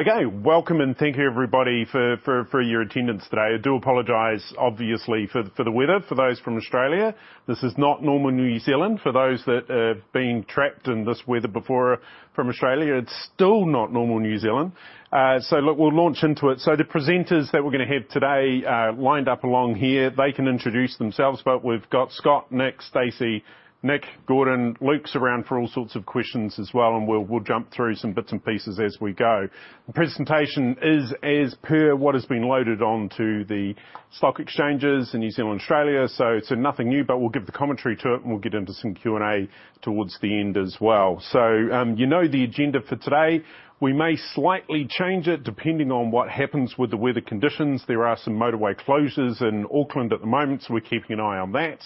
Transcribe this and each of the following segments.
Okay, welcome and thank you everybody for your attendance today. I do apologize, obviously, for the weather. For those from Australia, this is not normal New Zealand. For those that have been trapped in this weather before from Australia, it's still not normal New Zealand. Look, we'll launch into it. The presenters that we're gonna have today, lined up along here, they can introduce themselves. We've got Scott, Nick, Stacey, Nick, Gordon. Luke's around for all sorts of questions as well, and we'll jump through some bits and pieces as we go. The presentation is as per what has been loaded onto the stock exchanges in New Zealand and Australia. It's nothing new, but we'll give the commentary to it, and we'll get into some Q&A towards the end as well. You know the agenda for today. We may slightly change it depending on what happens with the weather conditions. There are some motorway closures in Auckland at the moment, we're keeping an eye on that.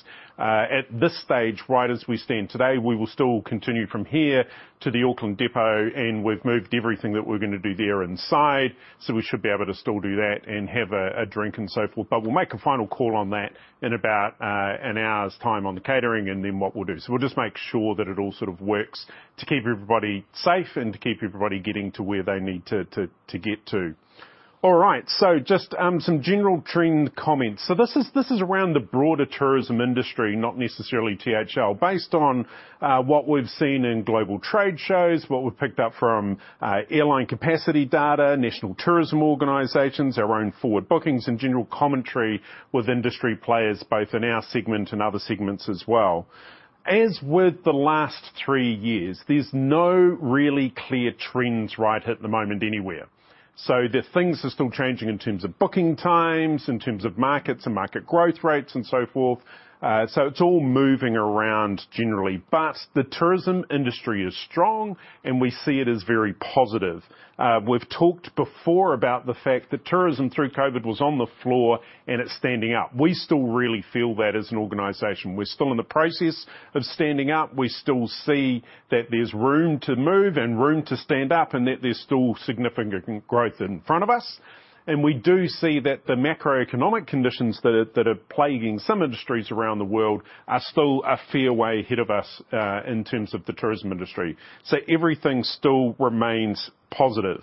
At this stage, right as we stand today, we will still continue from here to the Auckland Depot, and we've moved everything that we're gonna do there inside, we should be able to still do that and have a drink and so forth. We'll make a final call on that in about an hour's time on the catering and then what we'll do. We'll just make sure that it all sort of works to keep everybody safe and to keep everybody getting to where they need to get to. All right, just some general trend comments. This is around the broader tourism industry, not necessarily THL. Based on what we've seen in global trade shows, what we've picked up from airline capacity data, national tourism organizations, our own forward bookings, and general commentary with industry players, both in our segment and other segments as well. As with the last three years, there's no really clear trends right at the moment anywhere. The things are still changing in terms of booking times, in terms of markets and market growth rates, and so forth. It's all moving around generally. The tourism industry is strong, and we see it as very positive. We've talked before about the fact that tourism through COVID was on the floor and it's standing up. We still really feel that as an organization. We're still in the process of standing up. We still see that there's room to move and room to stand up, that there's still significant growth in front of us. We do see that the macroeconomic conditions that are plaguing some industries around the world are still a fair way ahead of us in terms of the tourism industry. Everything still remains positive.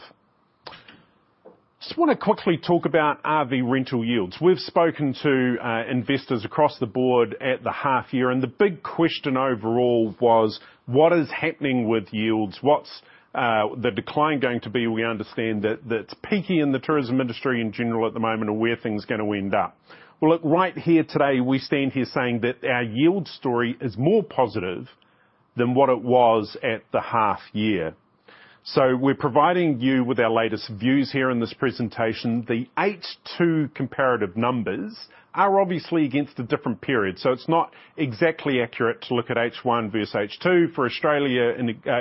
Just wanna quickly talk about RV rental yields. We've spoken to investors across the board at the half year, the big question overall was: What is happening with yields? What's the decline going to be? We understand that it's peaking in the tourism industry in general at the moment, where things are gonna end up. Well, look, right here today, we stand here saying that our yield story is more positive than what it was at the half year. We're providing you with our latest views here in this presentation. The H2 comparative numbers are obviously against a different period, so it's not exactly accurate to look at H1 versus H2. For Australia,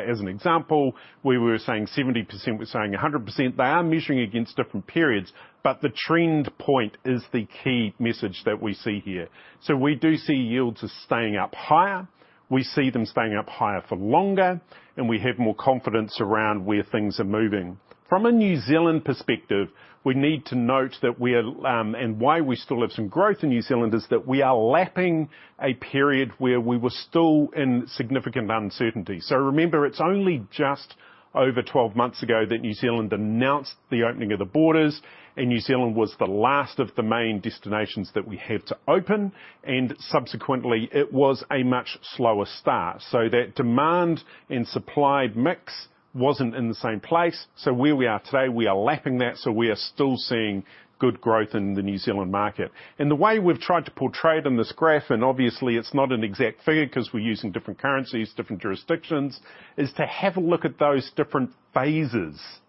as an example, we were saying 70%, we're saying 100%. They are measuring against different periods, but the trend point is the key message that we see here. We do see yields as staying up higher. We see them staying up higher for longer, and we have more confidence around where things are moving. From a New Zealand perspective, we need to note that we are, and why we still have some growth in New Zealand, is that we are lapping a period where we were still in significant uncertainty. Remember, it's only just over 12 months ago that New Zealand announced the opening of the borders, and New Zealand was the last of the main destinations that we had to open, and subsequently, it was a much slower start. That demand and supply mix wasn't in the same place. Where we are today, we are lapping that, so we are still seeing good growth in the New Zealand market. The way we've tried to portray it in this graph, and obviously it's not an exact figure 'cause we're using different currencies, different jurisdictions, is to have a look at those different phases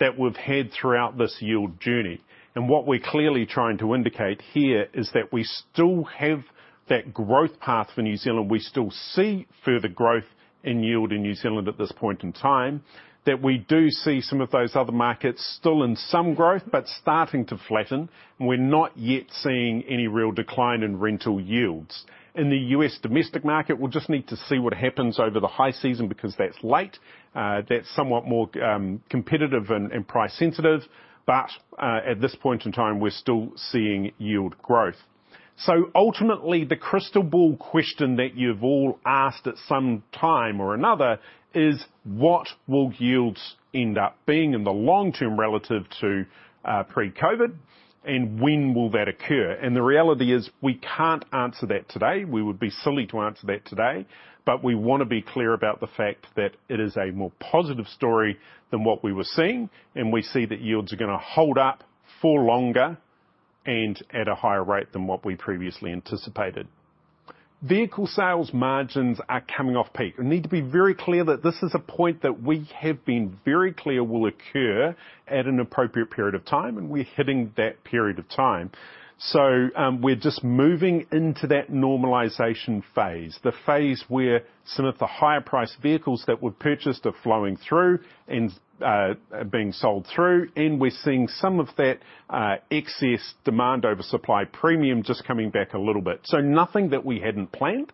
that we've had throughout this yield journey. What we're clearly trying to indicate here is that we still have that growth path for New Zealand. We still see further growth in yield in New Zealand at this point in time. We do see some of those other markets still in some growth, but starting to flatten, and we're not yet seeing any real decline in rental yields. In the U.S. domestic market, we'll just need to see what happens over the high season because that's late. That's somewhat more competitive and price sensitive. At this point in time, we're still seeing yield growth. Ultimately, the crystal ball question that you've all asked at some time or another is: What will yields end up being in the long term relative to pre-COVID, and when will that occur? The reality is, we can't answer that today. We would be silly to answer that today. We want to be clear about the fact that it is a more positive story than what we were seeing, and we see that yields are going to hold up for longer and at a higher rate than what we previously anticipated. Vehicle sales margins are coming off peak. We need to be very clear that this is a point that we have been very clear will occur at an appropriate period of time, and we're hitting that period of time. We're just moving into that normalization phase, the phase where some of the higher priced vehicles that were purchased are flowing through and are being sold through, and we're seeing some of that excess demand over supply premium just coming back a little bit. Nothing that we hadn't planned.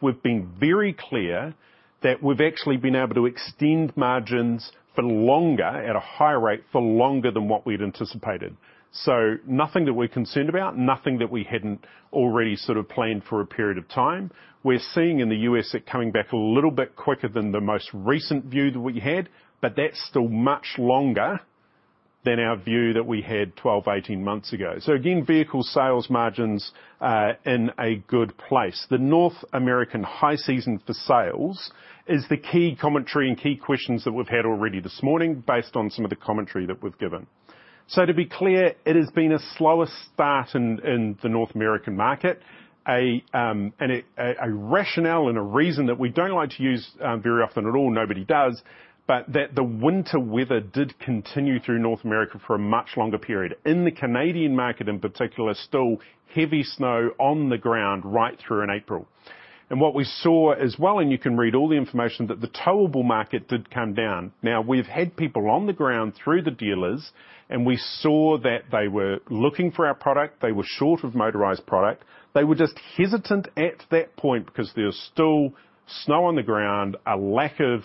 We've been very clear that we've actually been able to extend margins for longer, at a higher rate, for longer than what we'd anticipated. Nothing that we're concerned about, nothing that we hadn't already sort of planned for a period of time. We're seeing in the U.S. it coming back a little bit quicker than the most recent view that we had, but that's still much longer than our view that we had 12, 18 months ago. Again, vehicle sales margins are in a good place. The North American high season for sales is the key commentary and key questions that we've had already this morning based on some of the commentary that we've given. To be clear, it has been a slower start in the North American market. A rationale and a reason that we don't like to use very often at all, nobody does, but the winter weather did continue through North America for a much longer period. In the Canadian market, in particular, still heavy snow on the ground right through in April. What we saw as well, and you can read all the information, that the towable market did come down. We've had people on the ground through the dealers, and we saw that they were looking for our product. They were short of motorized product. They were just hesitant at that point because there's still snow on the ground, a lack of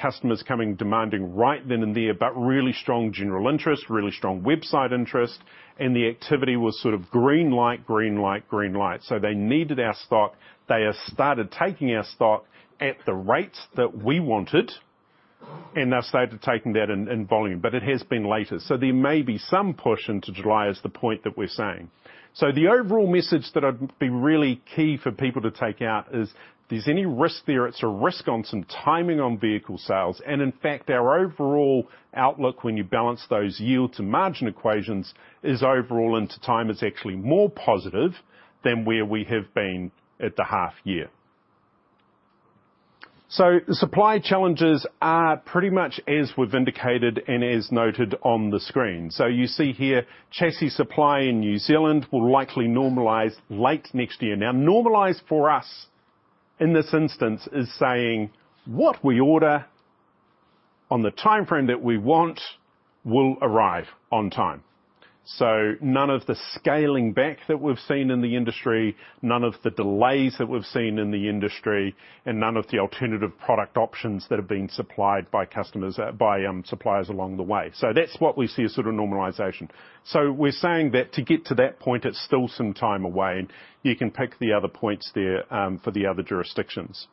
customers coming demanding right then and there, but really strong general interest, really strong website interest, and the activity was sort of green light, green light, green light. They needed our stock. They have started taking our stock at the rates that we wanted, and they've started taking that in volume, but it has been later. There may be some push into July is the point that we're saying. The overall message that I'd be really key for people to take out is there's any risk there, it's a risk on some timing on vehicle sales. In fact, our overall outlook when you balance those yield to margin equations is overall into time. It's actually more positive than where we have been at the half year. Supply challenges are pretty much as we've indicated and as noted on the screen. You see here, chassis supply in New Zealand will likely normalize late next year. Normalize for us in this instance is saying what we order on the timeframe that we want will arrive on time. None of the scaling back that we've seen in the industry, none of the delays that we've seen in the industry, and none of the alternative product options that have been supplied by customers, by suppliers along the way. That's what we see a sort of normalization. We're saying that to get to that point, it's still some time away, and you can pick the other points there for the other jurisdictions.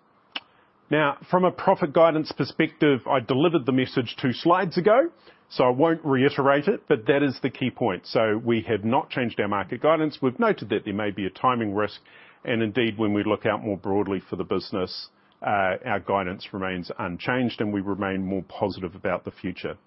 From a profit guidance perspective, I delivered the message two slides ago, so I won't reiterate it, but that is the key point. We have not changed our market guidance. We've noted that there may be a timing risk, and indeed, when we look out more broadly for the business, our guidance remains unchanged, and we remain more positive about the future.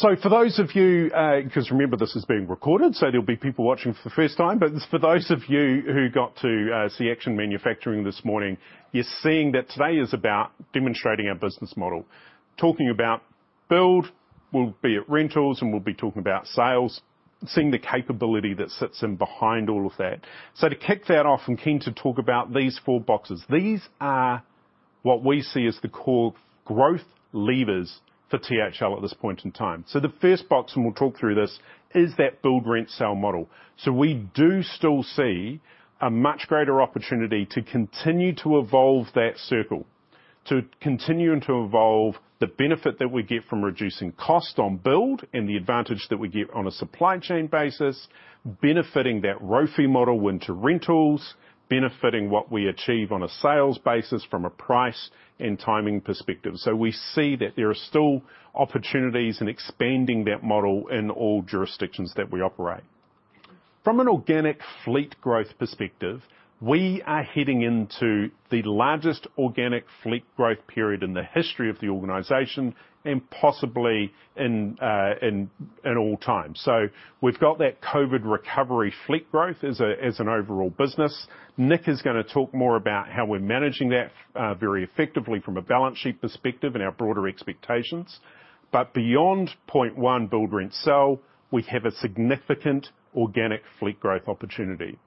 For those of you, 'cause remember, this is being recorded, so there'll be people watching for the first time. For those of you who got to see Action Manufacturing this morning, you're seeing that today is about demonstrating our business model. Talking about build, we'll be at rentals, and we'll be talking about sales, seeing the capability that sits in behind all of that. To kick that off, I'm keen to talk about these four boxes. These are what we see as the core growth levers for THL at this point in time. The first box, and we'll talk through this, is that build rent sell model. We do still see a much greater opportunity to continue to evolve that circle, to continuing to evolve the benefit that we get from reducing cost on build and the advantage that we get on a supply chain basis, benefiting that ROFE model into rentals, benefiting what we achieve on a sales basis from a price and timing perspective. We see that there are still opportunities in expanding that model in all jurisdictions that we operate. From an organic fleet growth perspective, we are heading into the largest organic fleet growth period in the history of the organization and possibly in all time. We've got that COVID recovery fleet growth as an overall business. Nick is gonna talk more about how we're managing that very effectively from a balance sheet perspective and our broader expectations. Beyond point 1 build rent sell, we have a significant organic fleet growth opportunity.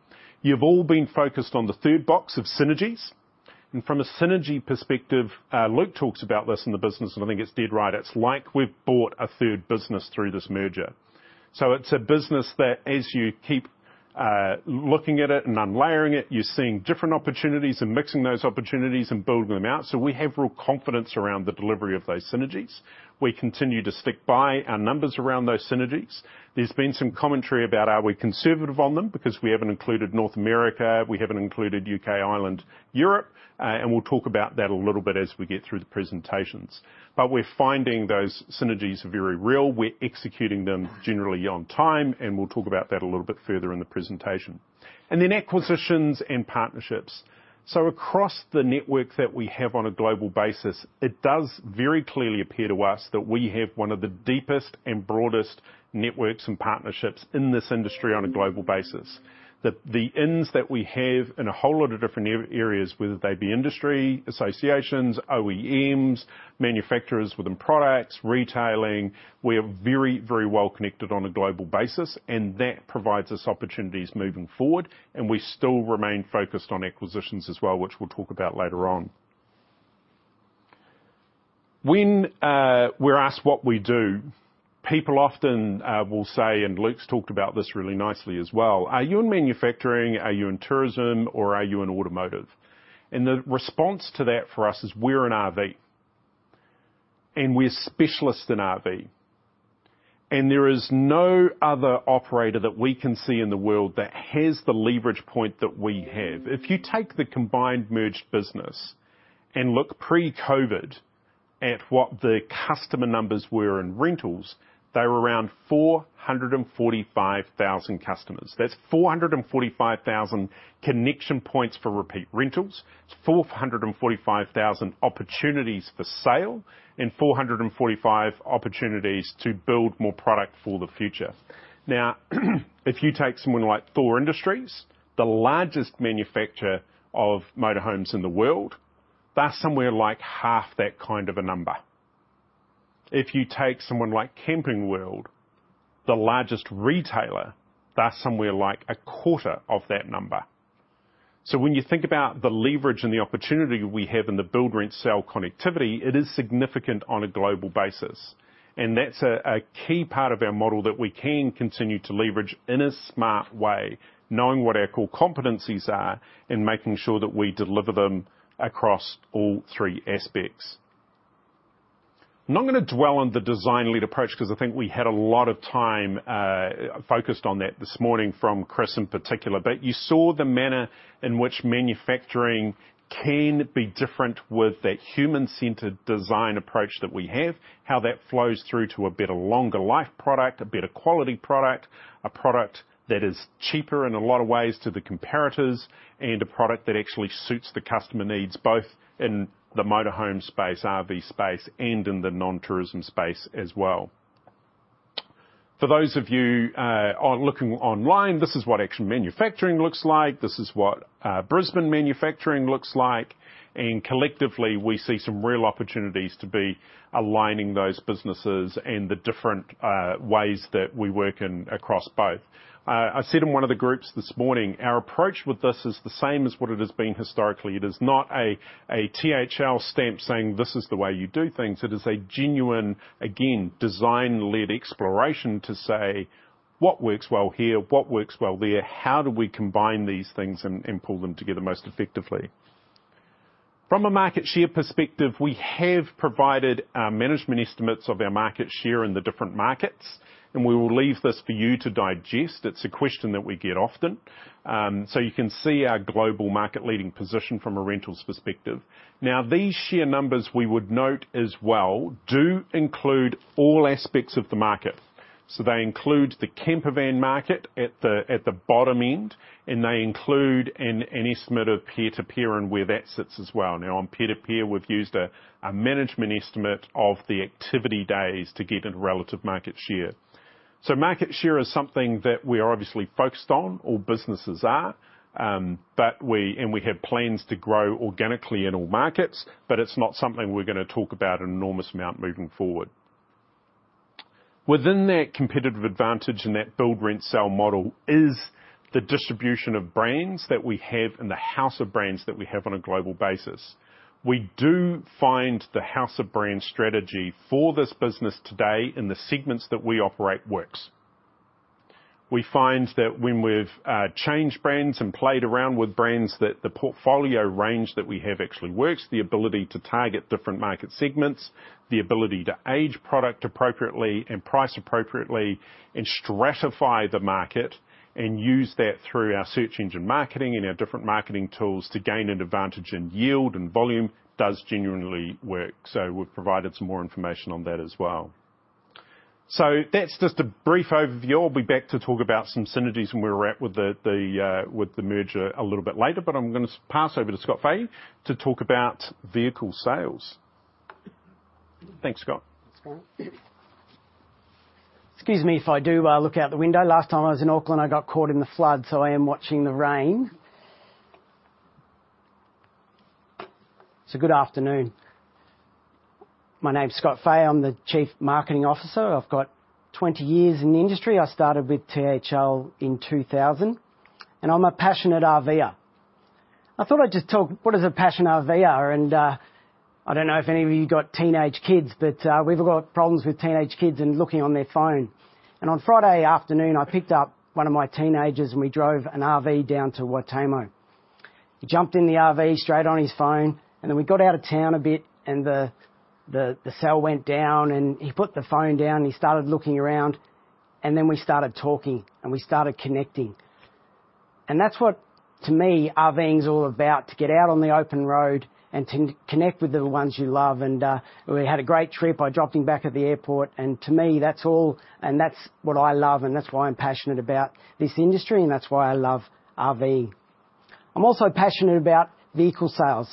You've all been focused on the third box of synergies, and from a synergy perspective, Luke talks about this in the business, and I think it's dead right. It's like we've bought a third business through this merger. It's a business that as you keep looking at it and unlayering it, you're seeing different opportunities and mixing those opportunities and building them out. We have real confidence around the delivery of those synergies. We continue to stick by our numbers around those synergies. There's been some commentary about are we conservative on them because we haven't included North America, we haven't included UK, Ireland, Europe, and we'll talk about that a little bit as we get through the presentations. We're finding those synergies very real. We're executing them generally on time, and we'll talk about that a little bit further in the presentation. Acquisitions and partnerships. Across the network that we have on a global basis, it does very clearly appear to us that we have one of the deepest and broadest networks and partnerships in this industry on a global basis. The ins that we have in a whole lot of different areas, whether they be industry, associations, OEMs, manufacturers within products, retailing, we are very, very well connected on a global basis, and that provides us opportunities moving forward. We still remain focused on acquisitions as well, which we'll talk about later on. When we're asked what we do, people often will say, and Luke's talked about this really nicely as well, "Are you in manufacturing? Are you in tourism or are you in automotive?" The response to that for us is we're in RV, and we're specialists in RV. There is no other operator that we can see in the world that has the leverage point that we have. If you take the combined merged business and look pre-COVID at what the customer numbers were in rentals, they were around 445,000 customers. That's 445,000 connection points for repeat rentals. It's 445,000 opportunities for sale and 445 opportunities to build more product for the future. If you take someone like Thor Industries, the largest manufacturer of motorhomes in the world, that's somewhere like half that kind of a number. If you take someone like Camping World, the largest retailer, that's somewhere like a quarter of that number. When you think about the leverage and the opportunity we have in the build, rent, sell connectivity, it is significant on a global basis. That's a key part of our model that we can continue to leverage in a smart way, knowing what our core competencies are and making sure that we deliver them across all three aspects. I'm not gonna dwell on the design-led approach because I think we had a lot of time focused on that this morning from Chris in particular. You saw the manner in which manufacturing can be different with that human-centered design approach that we have, how that flows through to a better longer life product, a better quality product, a product that is cheaper in a lot of ways to the comparators, and a product that actually suits the customer needs, both in the motor home space, RV space, and in the non-tourism space as well. For those of you looking online, this is what Action Manufacturing looks like. This is what Brisbane manufacturing looks like. Collectively, we see some real opportunities to be aligning those businesses and the different ways that we work in across both. I said in one of the groups this morning, our approach with this is the same as what it has been historically. It is not a THL stamp saying, "This is the way you do things." It is a genuine, again, design-led exploration to say, "What works well here? What works well there? How do we combine these things and pull them together most effectively?" From a market share perspective, we have provided management estimates of our market share in the different markets, and we will leave this for you to digest. It's a question that we get often. You can see our global market-leading position from a rentals perspective. These share numbers we would note as well do include all aspects of the market. They include the camper van market at the bottom end, and they include an estimate of peer-to-peer and where that sits as well. On peer-to-peer, we've used a management estimate of the activity days to get a relative market share. Market share is something that we are obviously focused on, all businesses are. We have plans to grow organically in all markets, but it's not something we're gonna talk about an enormous amount moving forward. Within that competitive advantage and that build, rent, sell model is the distribution of brands that we have and the house of brands that we have on a global basis. We do find the house of brand strategy for this business today in the segments that we operate works. We find that when we've changed brands and played around with brands, that the portfolio range that we have actually works. The ability to target different market segments, the ability to age product appropriately and price appropriately and stratify the market and use that through our search engine marketing and our different marketing tools to gain an advantage in yield and volume does genuinely work. We've provided some more information on that as well. That's just a brief overview. I'll be back to talk about some synergies and where we're at with the merger a little bit later, but I'm gonna pass over to Scott Fahey to talk about vehicle sales. Thanks, Scott. Thanks, Scott. Excuse me if I do look out the window. Last time I was in Auckland, I got caught in the flood. I am watching the rain. Good afternoon. My name's Scott Fahey. I'm the Chief Marketing Officer. I've got 20 years in the industry. I started with THL in 2000, and I'm a passionate RVer. I thought I'd just talk, what is a passionate RVer? I don't know if any of you got teenage kids, but we've all got problems with teenage kids and looking on their phone. On Friday afternoon, I picked up one of my teenagers, and we drove an RV down to Waitomo. He jumped in the RV, straight on his phone. Then we got out of town a bit, and the cell went down. He put the phone down, and he started looking around. Then we started talking, and we started connecting. That's what, to me, RVing is all about, to get out on the open road and connect with the ones you love. We had a great trip. I dropped him back at the airport. To me, that's all. That's what I love, and that's why I'm passionate about this industry, and that's why I love RV. I'm also passionate about vehicle sales.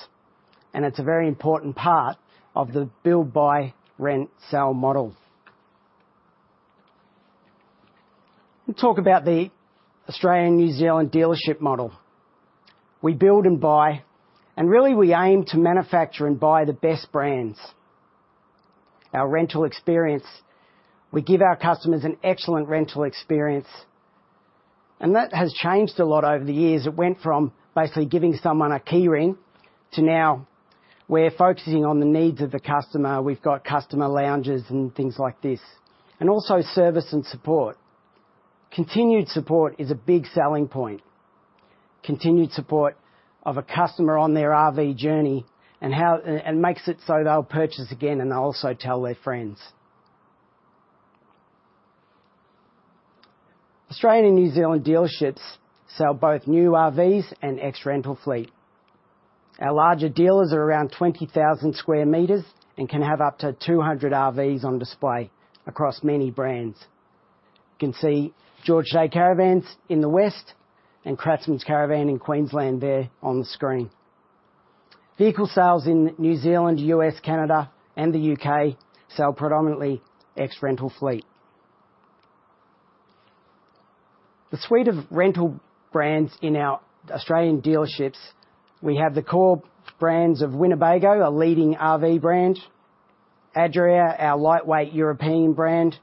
It's a very important part of the build, buy, rent, sell model. Let me talk about the Australian New Zealand dealership model. We build and buy. Really we aim to manufacture and buy the best brands. Our rental experience, we give our customers an excellent rental experience. That has changed a lot over the years. It went from basically giving someone a key ring to now we're focusing on the needs of the customer. We've got customer lounges and things like this. Also service and support. Continued support is a big selling point. Continued support of a customer on their RV journey makes it so they'll purchase again and also tell their friends. Australian, New Zealand dealerships sell both new RVs and ex-rental fleet. Our larger dealers are around 20,000 square meters and can have up to 200 RVs on display across many brands. You can see George Day Caravans in the West and Kratzmann Caravan in Queensland there on the screen. Vehicle sales in New Zealand, U.S., Canada, and the U.K. sell predominantly ex-rental fleet. The suite of rental brands in our Australian dealerships, we have the core brands of Winnebago, a leading RV brand, Adria, our lightweight European brand,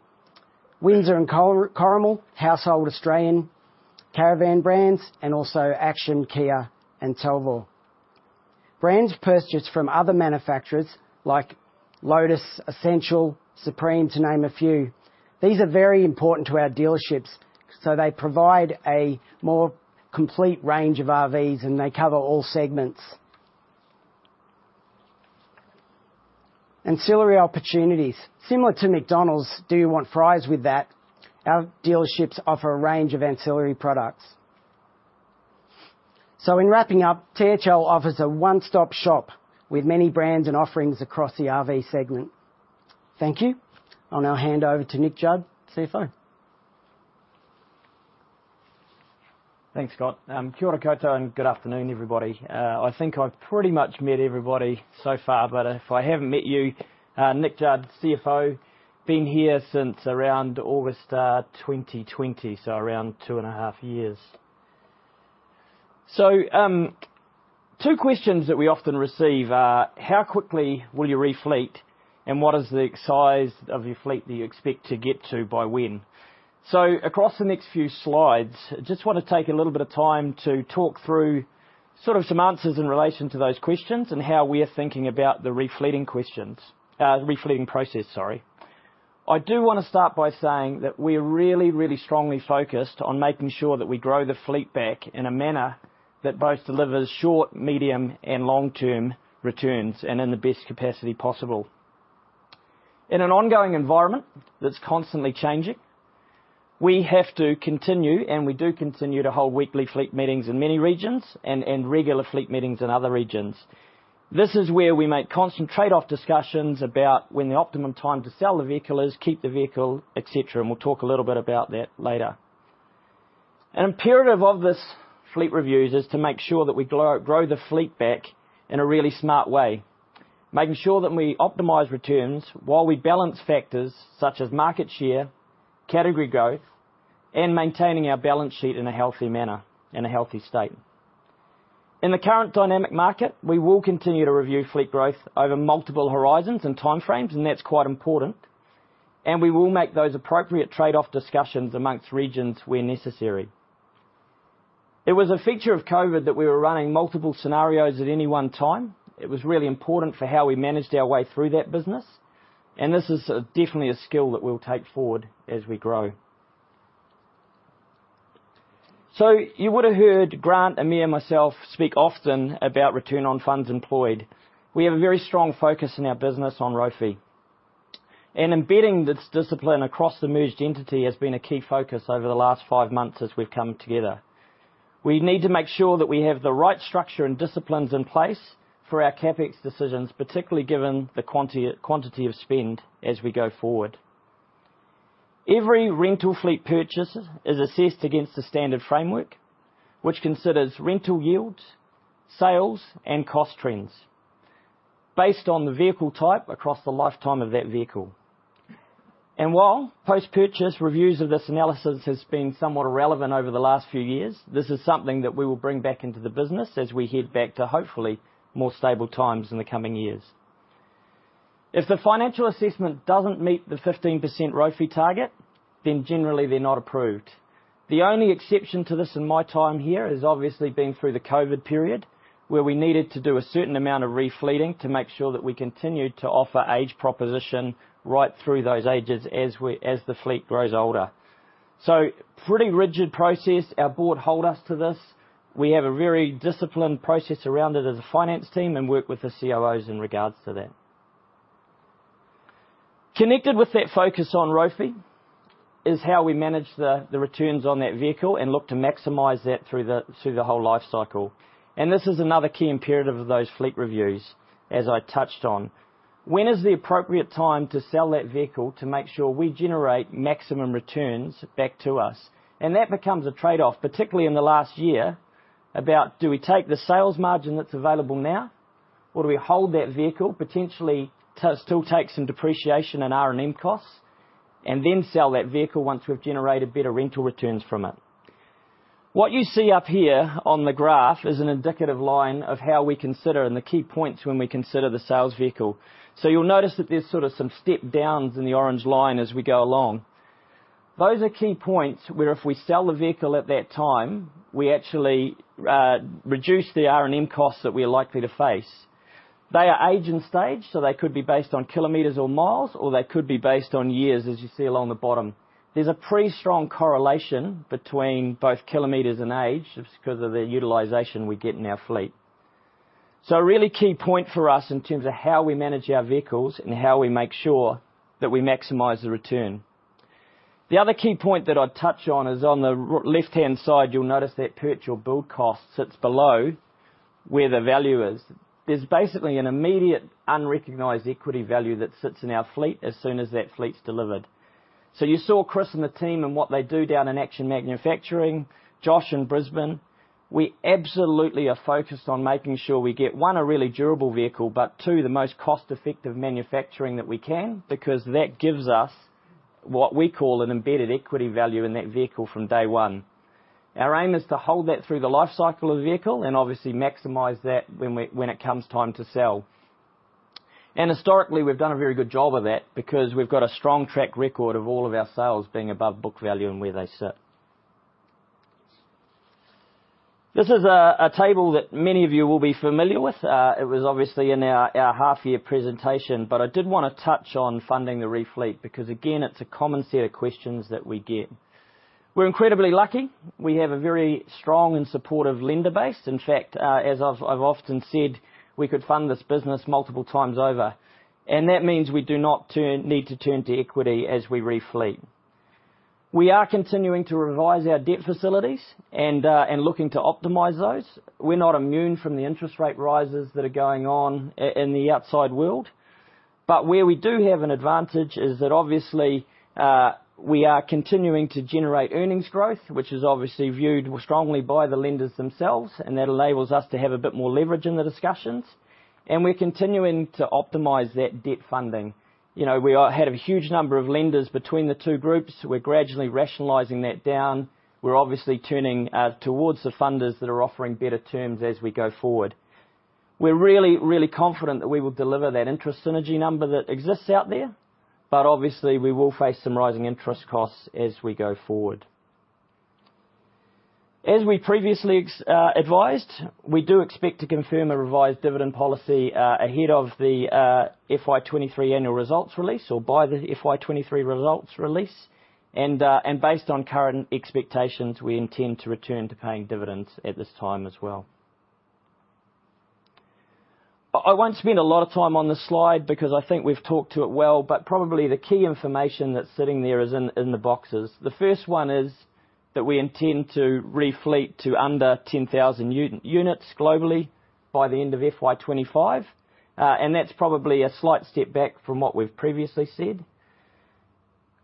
Windsor and Coromal, household Australian caravan brands, and also Action, Kia, and Talvor. Brands purchased from other manufacturers like Lotus, Essential, Supreme, to name a few. These are very important to our dealerships, they provide a more complete range of RVs, and they cover all segments. Ancillary opportunities. Similar to McDonald's "Do you want fries with that?" Our dealerships offer a range of ancillary products. In wrapping up, THL offers a one-stop-shop with many brands and offerings across the RV segment. Thank you. I'll now hand over to Nick Judd, CFO. Thanks, Scott. Kia ora koutou, good afternoon, everybody. I think I've pretty much met everybody so far, but if I haven't met you, Nick Judd, CFO, been here since around August 2020, so around two and a half years. Two questions that we often receive are, how quickly will you refleet? What is the size of your fleet that you expect to get to by when? Across the next few slides, just wanna take a little bit of time to talk through sort of some answers in relation to those questions and how we are thinking about the refleeting process, sorry. I do wanna start by saying that we're really, really strongly focused on making sure that we grow the fleet back in a manner that both delivers short, medium, and long-term returns and in the best capacity possible. In an ongoing environment that's constantly changing, we have to continue, and we do continue to hold weekly fleet meetings in many regions and regular fleet meetings in other regions. This is where we make constant trade-off discussions about when the optimum time to sell the vehicle is, keep the vehicle, et cetera, and we'll talk a little bit about that later. An imperative of this fleet reviews is to make sure that we grow the fleet back in a really smart way, making sure that we optimize returns while we balance factors such as market share, category growth, and maintaining our balance sheet in a healthy manner, in a healthy state. In the current dynamic market, we will continue to review fleet growth over multiple horizons and time frames, and that's quite important, and we will make those appropriate trade-off discussions amongst regions where necessary. It was a feature of COVID that we were running multiple scenarios at any one time. It was really important for how we managed our way through that business, and this is definitely a skill that we'll take forward as we grow. You would've heard Grant and me or myself speak often about Return on Funds Employed. We have a very strong focus in our business on ROFE. Embedding this discipline across the merged entity has been a key focus over the last five months as we've come together. We need to make sure that we have the right structure and disciplines in place for our CapEx decisions, particularly given the quantity of spend as we go forward. Every rental fleet purchase is assessed against the standard framework, which considers rental yields, sales, and cost trends based on the vehicle type across the lifetime of that vehicle. While post-purchase reviews of this analysis has been somewhat irrelevant over the last few years, this is something that we will bring back into the business as we head back to, hopefully, more stable times in the coming years. If the financial assessment doesn't meet the 15% ROFE target, then generally they're not approved. The only exception to this in my time here has obviously been through the COVID period, where we needed to do a certain amount of refleeting to make sure that we continued to offer age proposition right through those ages as the fleet grows older. Pretty rigid process. Our board hold us to this. We have a very disciplined process around it as a finance team and work with the COOs in regards to that. Connected with that focus on ROFE is how we manage the returns on that vehicle and look to maximize that through the whole life cycle. This is another key imperative of those fleet reviews, as I touched on. When is the appropriate time to sell that vehicle to make sure we generate maximum returns back to us? That becomes a trade-off, particularly in the last year, about do we take the sales margin that's available now, or do we hold that vehicle, potentially to still take some depreciation and R&M costs, and then sell that vehicle once we've generated better rental returns from it? What you see up here on the graph is an indicative line of how we consider and the key points when we consider the sales vehicle. You'll notice that there's sort of some step downs in the orange line as we go along. Those are key points where if we sell the vehicle at that time, we actually reduce the R&M costs that we're likely to face. They are age and stage, so they could be based on kilometers or miles, or they could be based on years, as you see along the bottom. There's a pretty strong correlation between both kilometers and age just 'cause of the utilization we get in our fleet. Really key point for us in terms of how we manage our vehicles and how we make sure that we maximize the return. The other key point that I'd touch on is on the left-hand side, you'll notice that purchase or build cost sits below where the value is. There's basically an immediate unrecognized equity value that sits in our fleet as soon as that fleet's delivered. You saw Chris and the team and what they do down in Action Manufacturing, Josh in Brisbane, we absolutely are focused on making sure we get, one, a really durable vehicle, but two, the most cost-effective manufacturing that we can because that gives us what we call an embedded equity value in that vehicle from day one. Our aim is to hold that through the life cycle of the vehicle and obviously maximize that when it comes time to sell. Historically, we've done a very good job of that because we've got a strong track record of all of our sales being above book value and where they sit. This is a table that many of you will be familiar with. It was obviously in our half-year presentation, I did wanna touch on funding the refleet, because again, it's a common set of questions that we get. We're incredibly lucky. We have a very strong and supportive lender base. In fact, as I've often said, we could fund this business multiple times over, that means we need to turn to equity as we refleet. We are continuing to revise our debt facilities and looking to optimize those. We're not immune from the interest rate rises that are going on in the outside world. Where we do have an advantage is that obviously, we are continuing to generate earnings growth, which is obviously viewed strongly by the lenders themselves, and that enables us to have a bit more leverage in the discussions, and we're continuing to optimize that debt funding. You know, we had a huge number of lenders between the two groups. We're gradually rationalizing that down. We're obviously turning towards the funders that are offering better terms as we go forward. We're really confident that we will deliver that interest synergy number that exists out there, but obviously we will face some rising interest costs as we go forward. As we previously advised, we do expect to confirm a revised dividend policy ahead of the FY23 annual results release or by the FY23 results release. Based on current expectations, we intend to return to paying dividends at this time as well. I won't spend a lot of time on this slide because I think we've talked to it well, but probably the key information that's sitting there is in the boxes. The first one is that we intend to refleet to under 10,000 units globally by the end of FY25. That's probably a slight step back from what we've previously said.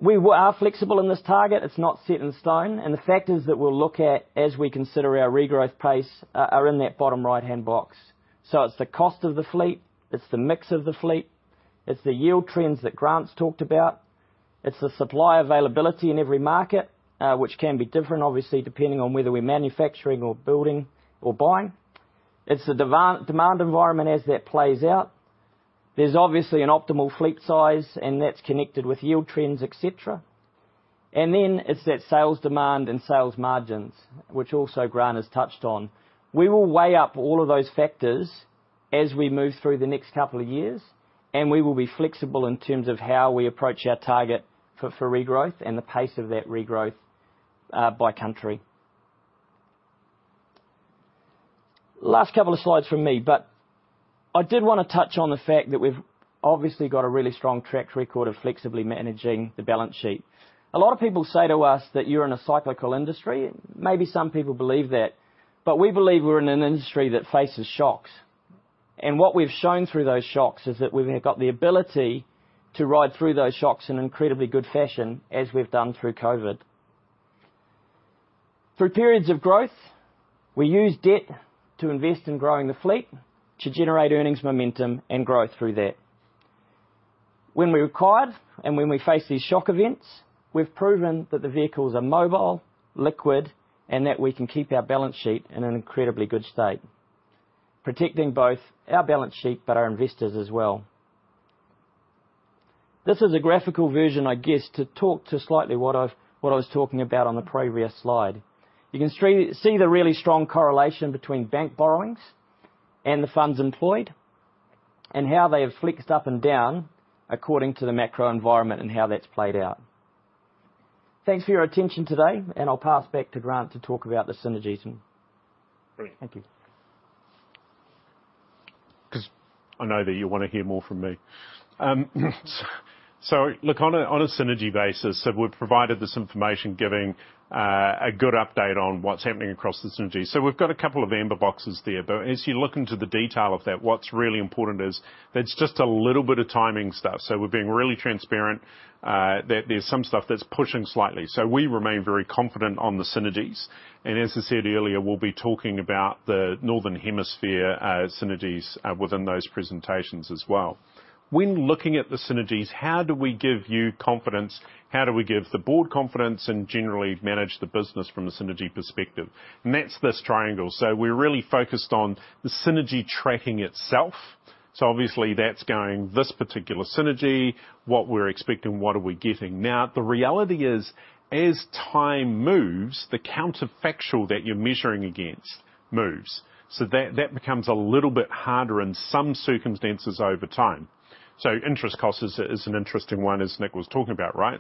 We are flexible in this target. It's not set in stone, and the factors that we'll look at as we consider our regrowth pace are in that bottom right-hand box. It's the cost of the fleet, it's the mix of the fleet, it's the yield trends that Grant's talked about. It's the supply availability in every market, which can be different, obviously, depending on whether we're manufacturing or building or buying. It's the demand environment as that plays out. There's obviously an optimal fleet size, and that's connected with yield trends, et cetera. Then it's that sales demand and sales margins which also Grant has touched on. We will weigh up all of those factors as we move through the next couple of years, we will be flexible in terms of how we approach our target for regrowth and the pace of that regrowth by country. Last couple of slides from me, I did wanna touch on the fact that we've obviously got a really strong track record of flexibly managing the balance sheet. A lot of people say to us that you're in a cyclical industry. Maybe some people believe that. We believe we're in an industry that faces shocks. What we've shown through those shocks is that we've got the ability to ride through those shocks in incredibly good fashion as we've done through COVID. Through periods of growth, we use debt to invest in growing the fleet to generate earnings momentum and growth through that. When we're required and when we face these shock events, we've proven that the vehicles are mobile, liquid, and that we can keep our balance sheet in an incredibly good state, protecting both our balance sheet but our investors as well. This is a graphical version, I guess, to talk to slightly what I was talking about on the previous slide. You can see the really strong correlation between bank borrowings and the funds employed, and how they have flexed up and down according to the macro environment and how that's played out. Thanks for your attention today. I'll pass back to Grant to talk about the synergies. Brilliant. Thank you. 'Cause I know that you wanna hear more from me. Look, on a, on a synergy basis, we've provided this information giving a good update on what's happening across the synergy. We've got a couple of amber boxes there, but as you look into the detail of that, what's really important is that's just a little bit of timing stuff. We're being really transparent that there's some stuff that's pushing slightly. We remain very confident on the synergies, and as I said earlier, we'll be talking about the Northern Hemisphere synergies within those presentations as well. When looking at the synergies, how do we give you confidence, how do we give the board confidence, and generally manage the business from a synergy perspective? That's this triangle. We're really focused on the synergy tracking itself. Obviously that's going this particular synergy, what we're expecting, what are we getting? Now, the reality is, as time moves, the counterfactual that you're measuring against moves. That becomes a little bit harder in some circumstances over time. Interest cost is an interesting one, as Nick was talking about, right?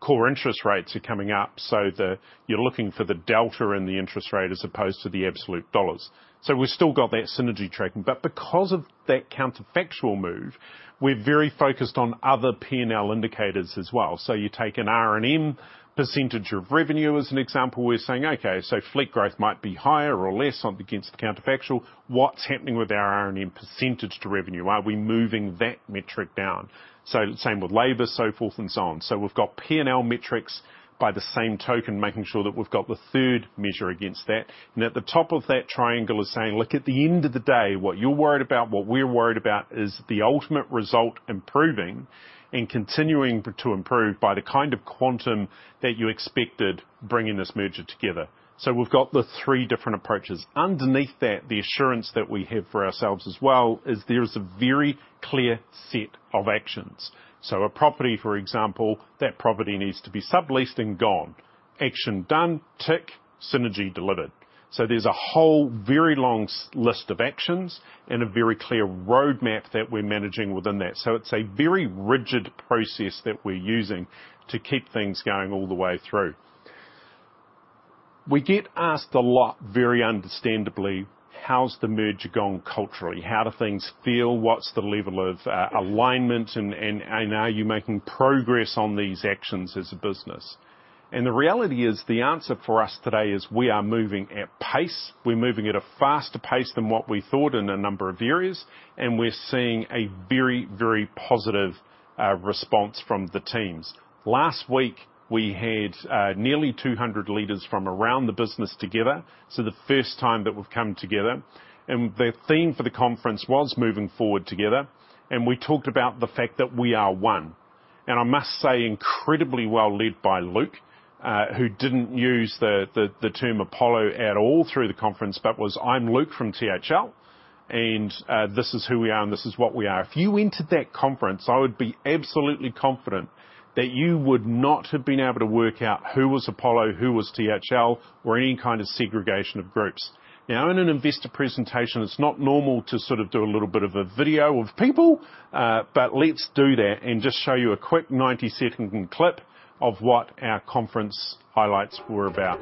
Core interest rates are coming up, so the you're looking for the delta in the interest rate as opposed to the absolute dollars. We've still got that synergy tracking. Because of that counterfactual move, we're very focused on other P&L indicators as well. You take an R&M percentage of revenue as an example. We're saying, "Okay, so fleet growth might be higher or less against the counterfactual. What's happening with our R&M percentage to revenue? Are we moving that metric down?" Same with labor, so forth and so on. We've got P&L metrics, by the same token, making sure that we've got the third measure against that. At the top of that triangle is saying, "Look, at the end of the day, what you're worried about, what we're worried about is the ultimate result improving and continuing to improve by the kind of quantum that you expected bringing this merger together." We've got the three different approaches. Underneath that, the assurance that we have for ourselves as well is there is a very clear set of actions. A property, for example, that property needs to be subleased and gone. Action done, tick, synergy delivered. There's a whole very long list of actions and a very clear roadmap that we're managing within that. It's a very rigid process that we're using to keep things going all the way through. We get asked a lot, very understandably: How's the merger gone culturally? How do things feel? What's the level of alignment and, and are you making progress on these actions as a business? The reality is, the answer for us today is we are moving at pace. We're moving at a faster pace than what we thought in a number of areas, and we're seeing a very, very positive response from the teams. Last week, we had nearly 200 leaders from around the business together. The first time that we've come together, and the theme for the conference was moving forward together, and we talked about the fact that we are one. I must say, incredibly well led by Luke, who didn't use the term Apollo at all through the conference, but was, "I'm Luke from THL, and this is who we are, and this is what we are." If you entered that conference, I would be absolutely confident that you would not have been able to work out who was Apollo, who was THL, or any kind of segregation of groups. In an investor presentation, it's not normal to sort of do a little bit of a video of people, but let's do that and just show you a quick 90-second clip of what our conference highlights were about.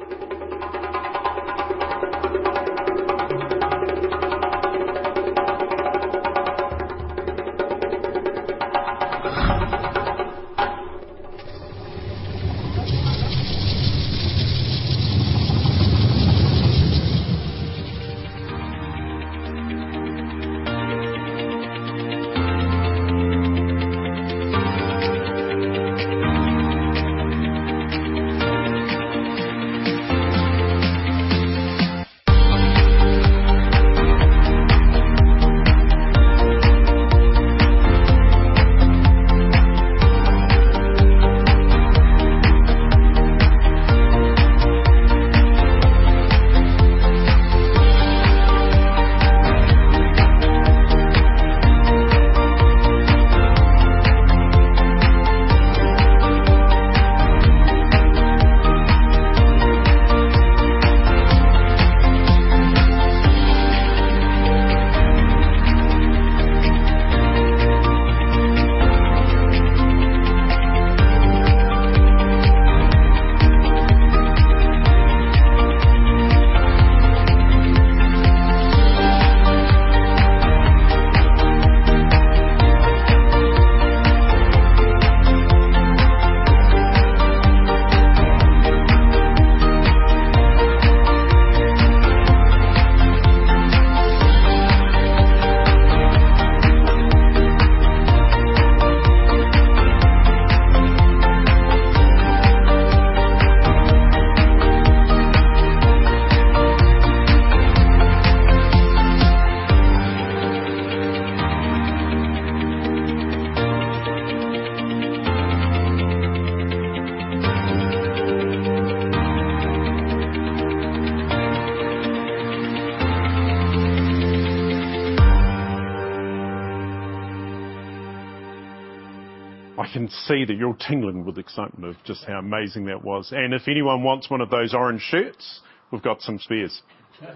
I can see that you're tingling with excitement of just how amazing that was. If anyone wants one of those orange shirts, we've got some spares. Sorry?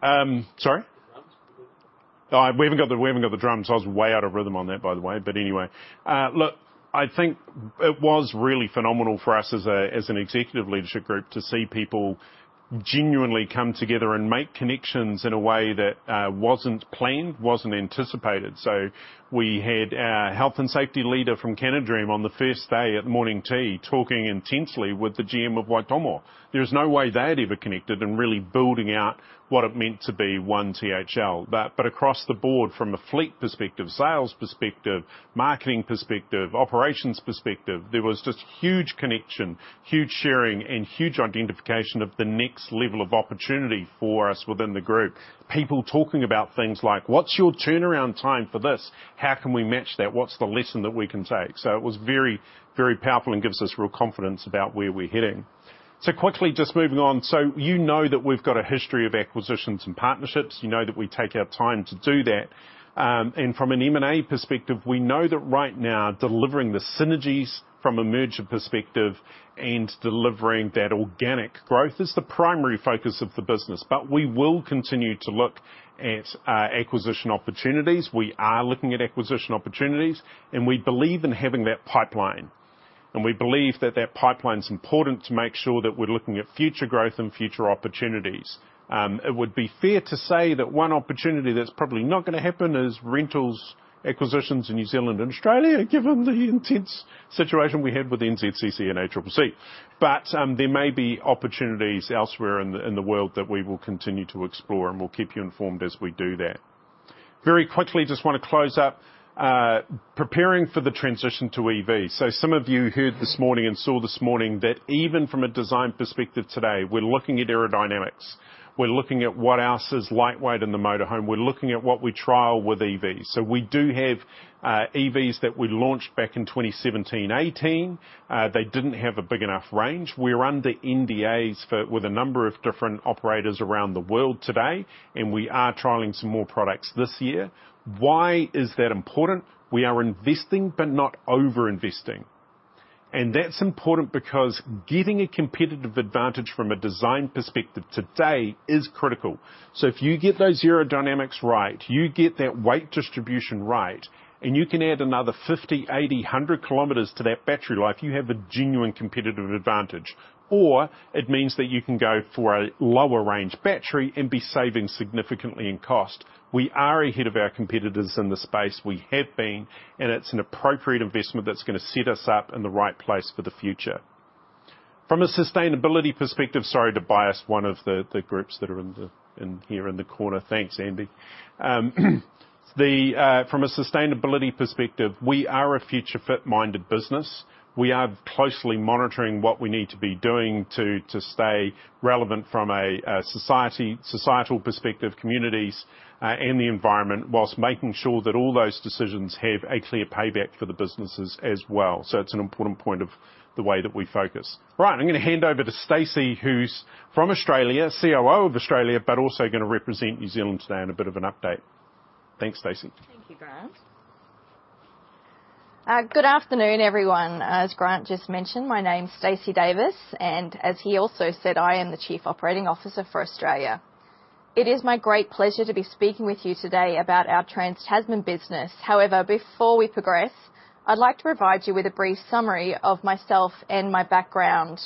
Drums. We haven't got the drums. I was way out of rhythm on that, by the way. I think it was really phenomenal for us as an executive leadership group to see people genuinely come together and make connections in a way that wasn't planned, wasn't anticipated. We had our health and safety leader from CanaDream on the first day at morning tea talking intensely with the GM of Waitomo. There's no way they had ever connected and really building out what it meant to be one THL. Across the board, from a fleet perspective, sales perspective, marketing perspective, operations perspective, there was just huge connection, huge sharing, and huge identification of the next level of opportunity for us within the group. People talking about things like, "What's your turnaround time for this? How can we match that? What's the lesson that we can take?" It was very, very powerful and gives us real confidence about where we're heading. Quickly, just moving on. You know that we've got a history of acquisitions and partnerships. You know that we take our time to do that. From an M&A perspective, we know that right now, delivering the synergies from a merger perspective and delivering that organic growth is the primary focus of the business. We will continue to look at acquisition opportunities. We are looking at acquisition opportunities, and we believe in having that pipeline. We believe that that pipeline's important to make sure that we're looking at future growth and future opportunities. It would be fair to say that one opportunity that's probably not gonna happen is rentals acquisitions in New Zealand and Australia, given the intense situation we have with NZCC and ACCC. There may be opportunities elsewhere in the world that we will continue to explore, and we'll keep you informed as we do that. Very quickly, just wanna close up, preparing for the transition to EV. Some of you heard this morning and saw this morning that even from a design perspective today, we're looking at aerodynamics. We're looking at what else is lightweight in the motor home. We're looking at what we trial with EVs. We do have EVs that we launched back in 2017/18. They didn't have a big enough range. We're under NDAs with a number of different operators around the world today, and we are trialing some more products this year. Why is that important? We are investing but not over-investing. That's important because getting a competitive advantage from a design perspective today is critical. If you get those aerodynamics right, you get that weight distribution right, and you can add another 50, 80, 100 km to that battery life, you have a genuine competitive advantage. It means that you can go for a lower range battery and be saving significantly in cost. We are ahead of our competitors in the space we have been, and it's an appropriate investment that's gonna set us up in the right place for the future. From a sustainability perspective. Sorry, Tobias, one of the groups that are in here in the corner. Thanks, Andy. From a sustainability perspective, we are a future-fit minded business. We are closely monitoring what we need to be doing to stay relevant from a societal perspective, communities, and the environment, whilst making sure that all those decisions have a clear payback for the businesses as well. It's an important point of the way that we focus. Right. I'm gonna hand over to Stacey, who's from Australia, COO of Australia, but also gonna represent New Zealand today in a bit of an update. Thanks, Stacey. Thank you, Grant. Good afternoon, everyone. As Grant just mentioned, my name's Stacey Davis, and as he also said, I am the Chief Operating Officer for Australia. It is my great pleasure to be speaking with you today about our Trans-Tasman business. However, before we progress, I'd like to provide you with a brief summary of myself and my background.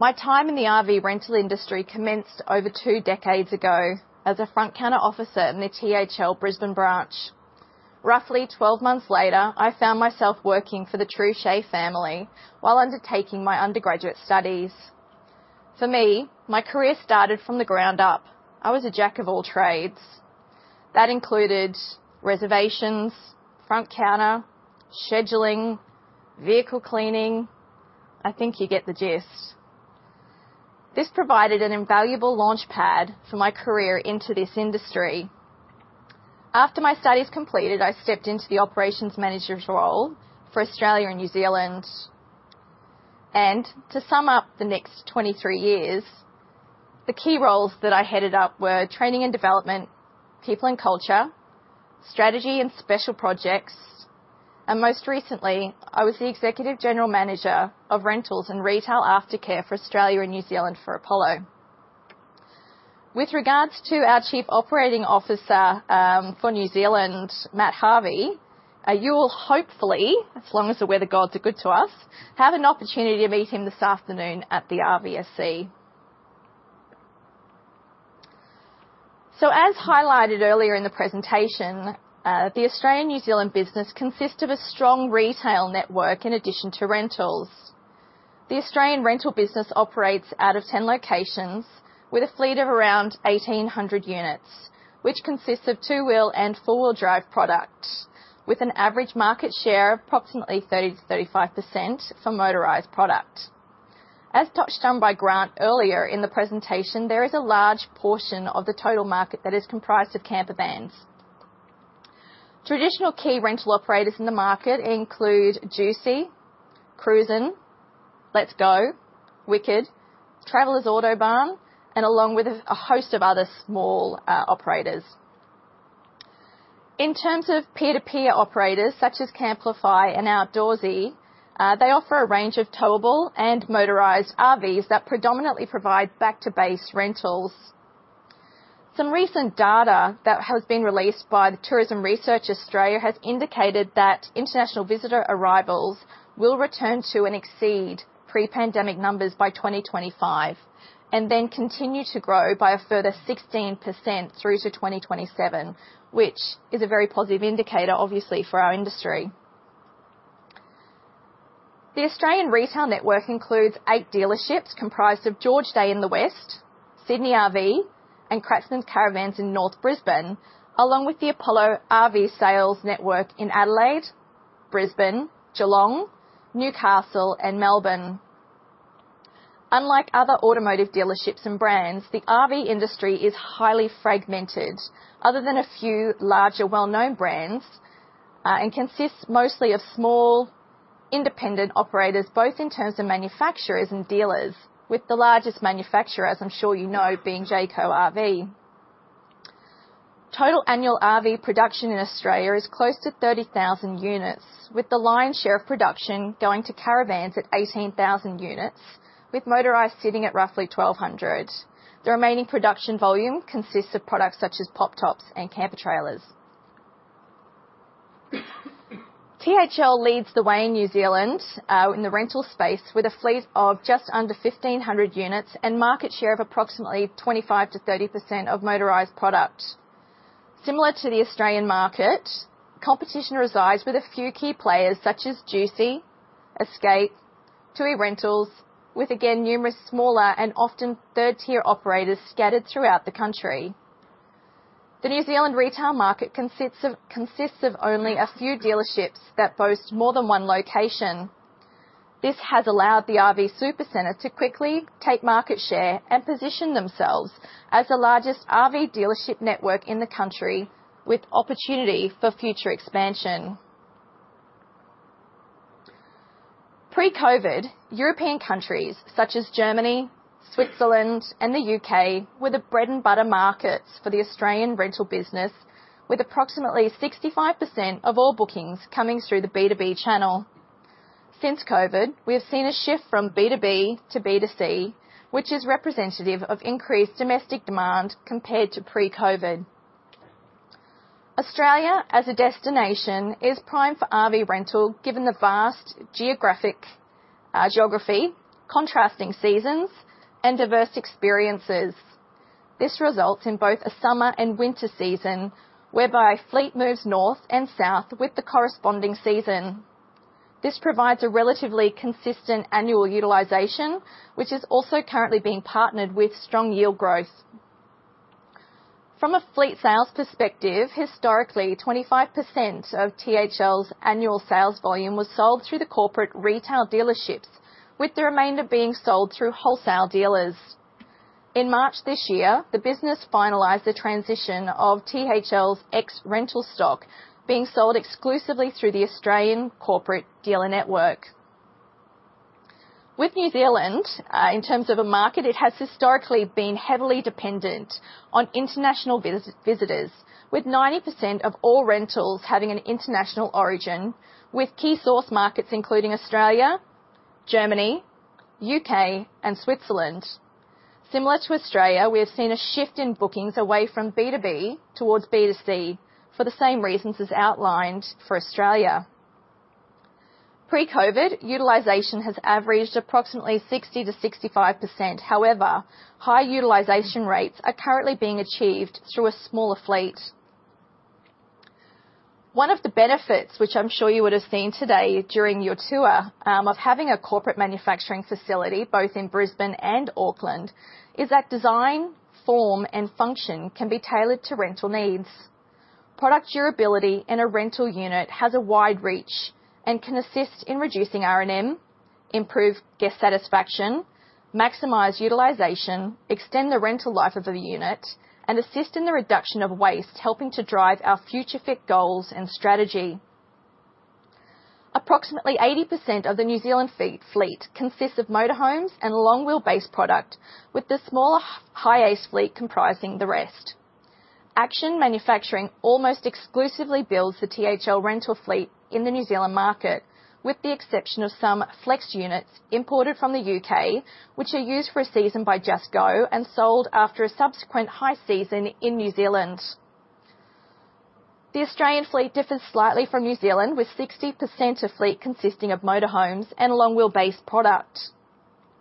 My time in the RV rental industry commenced over two decades ago as a front counter officer in the THL Brisbane branch. Roughly 12 months later, I found myself working for the Trouchet family while undertaking my undergraduate studies. For me, my career started from the ground up. I was a jack of all trades. That included reservations, front counter, scheduling, vehicle cleaning. I think you get the gist. This provided an invaluable launch pad for my career into this industry. After my studies completed, I stepped into the operations manager's role for Australia and New Zealand. To sum up the next 23 years, the key roles that I headed up were training and development, people and culture, strategy and special projects, and most recently, I was the executive general manager of rentals and retail aftercare for Australia and New Zealand for Apollo. With regards to our Chief Operating Officer for New Zealand, Matt Harvey, you'll hopefully, as long as the weather gods are good to us, have an opportunity to meet him this afternoon at the RVSC. As highlighted earlier in the presentation, the Australian New Zealand business consists of a strong retail network in addition to rentals. The Australian rental business operates out of 10 locations with a fleet of around 1,800 units, which consists of two-wheel and four-wheel drive product, with an average market share of approximately 30%-35% for motorized product. As touched on by Grant earlier in the presentation, there is a large portion of the total market that is comprised of camper vans. Traditional key rental operators in the market include JUCY, Cruisin', Let's Go, Wicked, Travellers Autobarn, and along with a host of other small operators. In terms of peer-to-peer operators, such as Camplify and Outdoorsy, they offer a range of towable and motorized RVs that predominantly provide back-to-base rentals. Some recent data that has been released by Tourism Research Australia has indicated that international visitor arrivals will return to and exceed pre-pandemic numbers by 2025 and then continue to grow by a further 16% through to 2027, which is a very positive indicator, obviously, for our industry. The Australian retail network includes eight dealerships comprised of George Day in the West, Sydney RV, and Kratzmann Caravans in North Brisbane, along with the Apollo RV sales network in Adelaide, Brisbane, Geelong, Newcastle, and Melbourne. Unlike other automotive dealerships and brands, the RV industry is highly fragmented, other than a few larger, well-known brands, and consists mostly of small, independent operators, both in terms of manufacturers and dealers, with the largest manufacturer, as I'm sure you know, being Jayco RV. Total annual RV production in Australia is close to 30,000 units, with the lion's share of production going to caravans at 18,000 units, with motorized sitting at roughly 1,200. The remaining production volume consists of products such as pop tops and camper trailers. THL leads the way in New Zealand in the rental space with a fleet of just under 1,500 units and market share of approximately 25%-30% of motorized product. Similar to the Australian market, competition resides with a few key players such as JUCY, Escape, Tui Rentals, with again, numerous smaller and often third-tier operators scattered throughout the country. The New Zealand retail market consists of only a few dealerships that boast more than one location. This has allowed the RV Super Centre to quickly take market share and position themselves as the largest RV dealership network in the country, with opportunity for future expansion. Pre-COVID, European countries such as Germany, Switzerland, and the UK were the bread and butter markets for the Australian rental business, with approximately 65% of all bookings coming through the B2B channel. Since COVID, we have seen a shift from B2B to B2C, which is representative of increased domestic demand compared to pre-COVID. Australia as a destination is primed for RV rental given the vast geographic geography, contrasting seasons and diverse experiences. This results in both a summer and winter season, whereby fleet moves north and south with the corresponding season. This provides a relatively consistent annual utilization, which is also currently being partnered with strong yield growth. From a fleet sales perspective, historically, 25% of THL's annual sales volume was sold through the corporate retail dealerships, with the remainder being sold through wholesale dealers. In March this year, the business finalized the transition of THL's ex-rental stock being sold exclusively through the Australian corporate dealer network. With New Zealand, in terms of a market, it has historically been heavily dependent on international visitors, with 90% of all rentals having an international origin, with key source markets including Australia, Germany, UK and Switzerland. Similar to Australia, we have seen a shift in bookings away from B2B towards B2C for the same reasons as outlined for Australia. Pre-COVID, utilization has averaged approximately 60%-65%. However, high utilization rates are currently being achieved through a smaller fleet. One of the benefits which I'm sure you would have seen today during your tour, of having a corporate manufacturing facility both in Brisbane and Auckland, is that design, form, and function can be tailored to rental needs. Product durability in a rental unit has a wide reach and can assist in reducing R&M, improve guest satisfaction, maximize utilization, extend the rental life of the unit, and assist in the reduction of waste, helping to drive our future-fit goals and strategy. Approximately 80% of the New Zealand fleet consists of motorhomes and long-wheelbase product, with the smaller HiAce fleet comprising the rest. Action Manufacturing almost exclusively builds the THL rental fleet in the New Zealand market, with the exception of some flex units imported from the UK, which are used for a season by Just go and sold after a subsequent high season in New Zealand. The Australian fleet differs slightly from New Zealand, with 60% of fleet consisting of motorhomes and long-wheelbase product,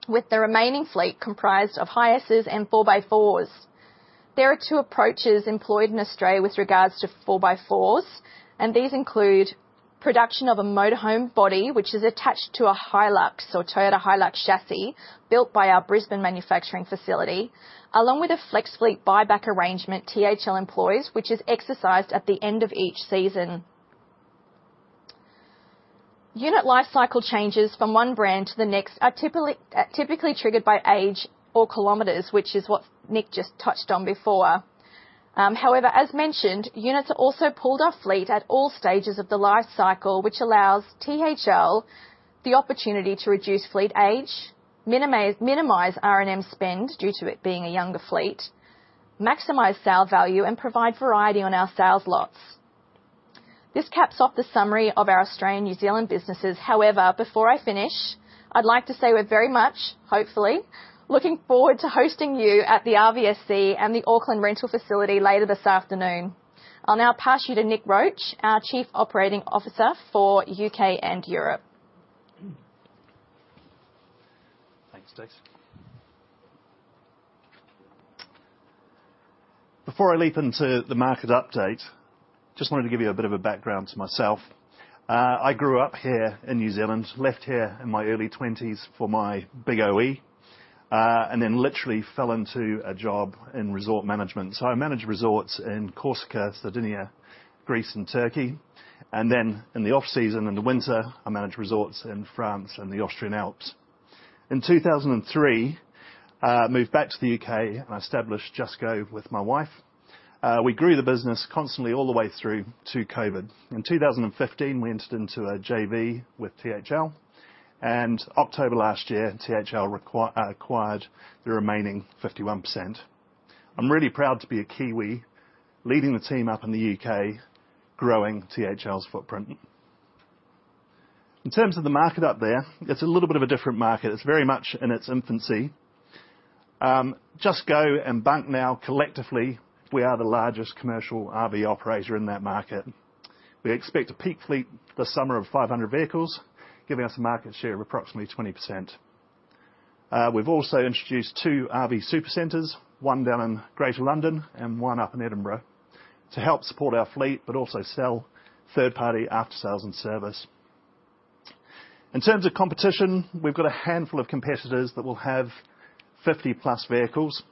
with the remaining fleet comprised of HiAces and 4x4s. There are 2 approaches employed in Australia with regards to 4x4s. These include production of a motorhome body, which is attached to a Hilux or Toyota Hilux chassis built by our Brisbane manufacturing facility, along with a flex fleet buyback arrangement THL employs, which is exercised at the end of each season. Unit lifecycle changes from one brand to the next are typically triggered by age or kilometers, which is what Nick just touched on before. As mentioned, units are also pulled off fleet at all stages of the life cycle, which allows THL the opportunity to reduce fleet age, minimize R&M spend due to it being a younger fleet, maximize sale value and provide variety on our sales lots. This caps off the summary of our Australian/New Zealand businesses. Before I finish, I'd like to say we're very much, hopefully, looking forward to hosting you at the RVSC and the Auckland rental facility later this afternoon. I'll now pass you to Nick Roche, our Chief Operating Officer for UK and Europe. Thanks, Stace. Before I leap into the market update, just wanted to give you a bit of a background to myself. I grew up here in New Zealand, left here in my early 20s for my big OE, and then literally fell into a job in resort management. I managed resorts in Corsica, Sardinia, Greece and Turkey, and then in the off-season, in the winter, I managed resorts in France and the Austrian Alps. In 2003, I moved back to the UK and I established Just go with my wife. We grew the business constantly all the way through to COVID. In 2015, we entered into a JV with THL. October last year, THL acquired the remaining 51%. I'm really proud to be a Kiwi leading the team up in the U.K., growing THL's footprint. In terms of the market up there, it's a little bit of a different market. It's very much in its infancy. Just go and Bunk now collectively, we are the largest commercial RV operator in that market. We expect a peak fleet this summer of 500 vehicles, giving us a market share of approximately 20%. We've also introduced two RV Super Centres, one down in Greater London and one up in Edinburgh, to help support our fleet, but also sell third-party after-sales and service. In terms of competition, we've got a handful of competitors that will have 50-plus vehicles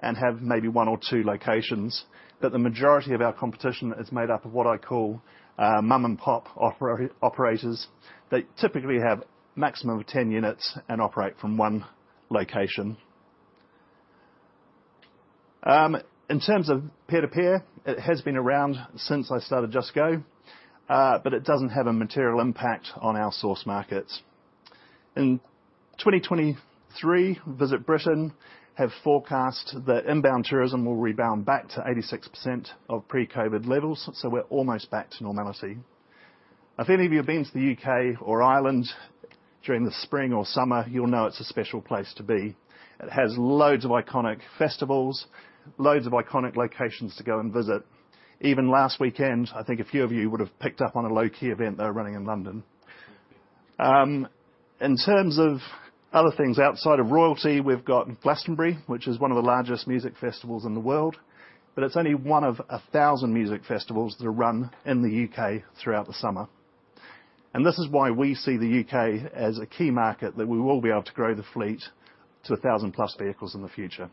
and have maybe 1 or 2 locations, but the majority of our competition is made up of what I call mom and pop operators. They typically have maximum of 10 units and operate from one location. In terms of peer-to-peer, it has been around since I started Just go, but it doesn't have a material impact on our source markets. In 2023, VisitBritain have forecast that inbound tourism will rebound back to 86% of pre-COVID levels, so we're almost back to normality. If any of you have been to the U.K. or Ireland during the spring or summer, you'll know it's a special place to be. It has loads of iconic festivals, loads of iconic locations to go and visit. Even last weekend, I think a few of you would have picked up on a low-key event they were running in London. In terms of other things outside of royalty, we've got Glastonbury, which is 1 of 1,000 music festivals that are run in the U.K. throughout the summer. This is why we see the U.K. as a key market that we will be able to grow the fleet to 1,000 plus vehicles in the future.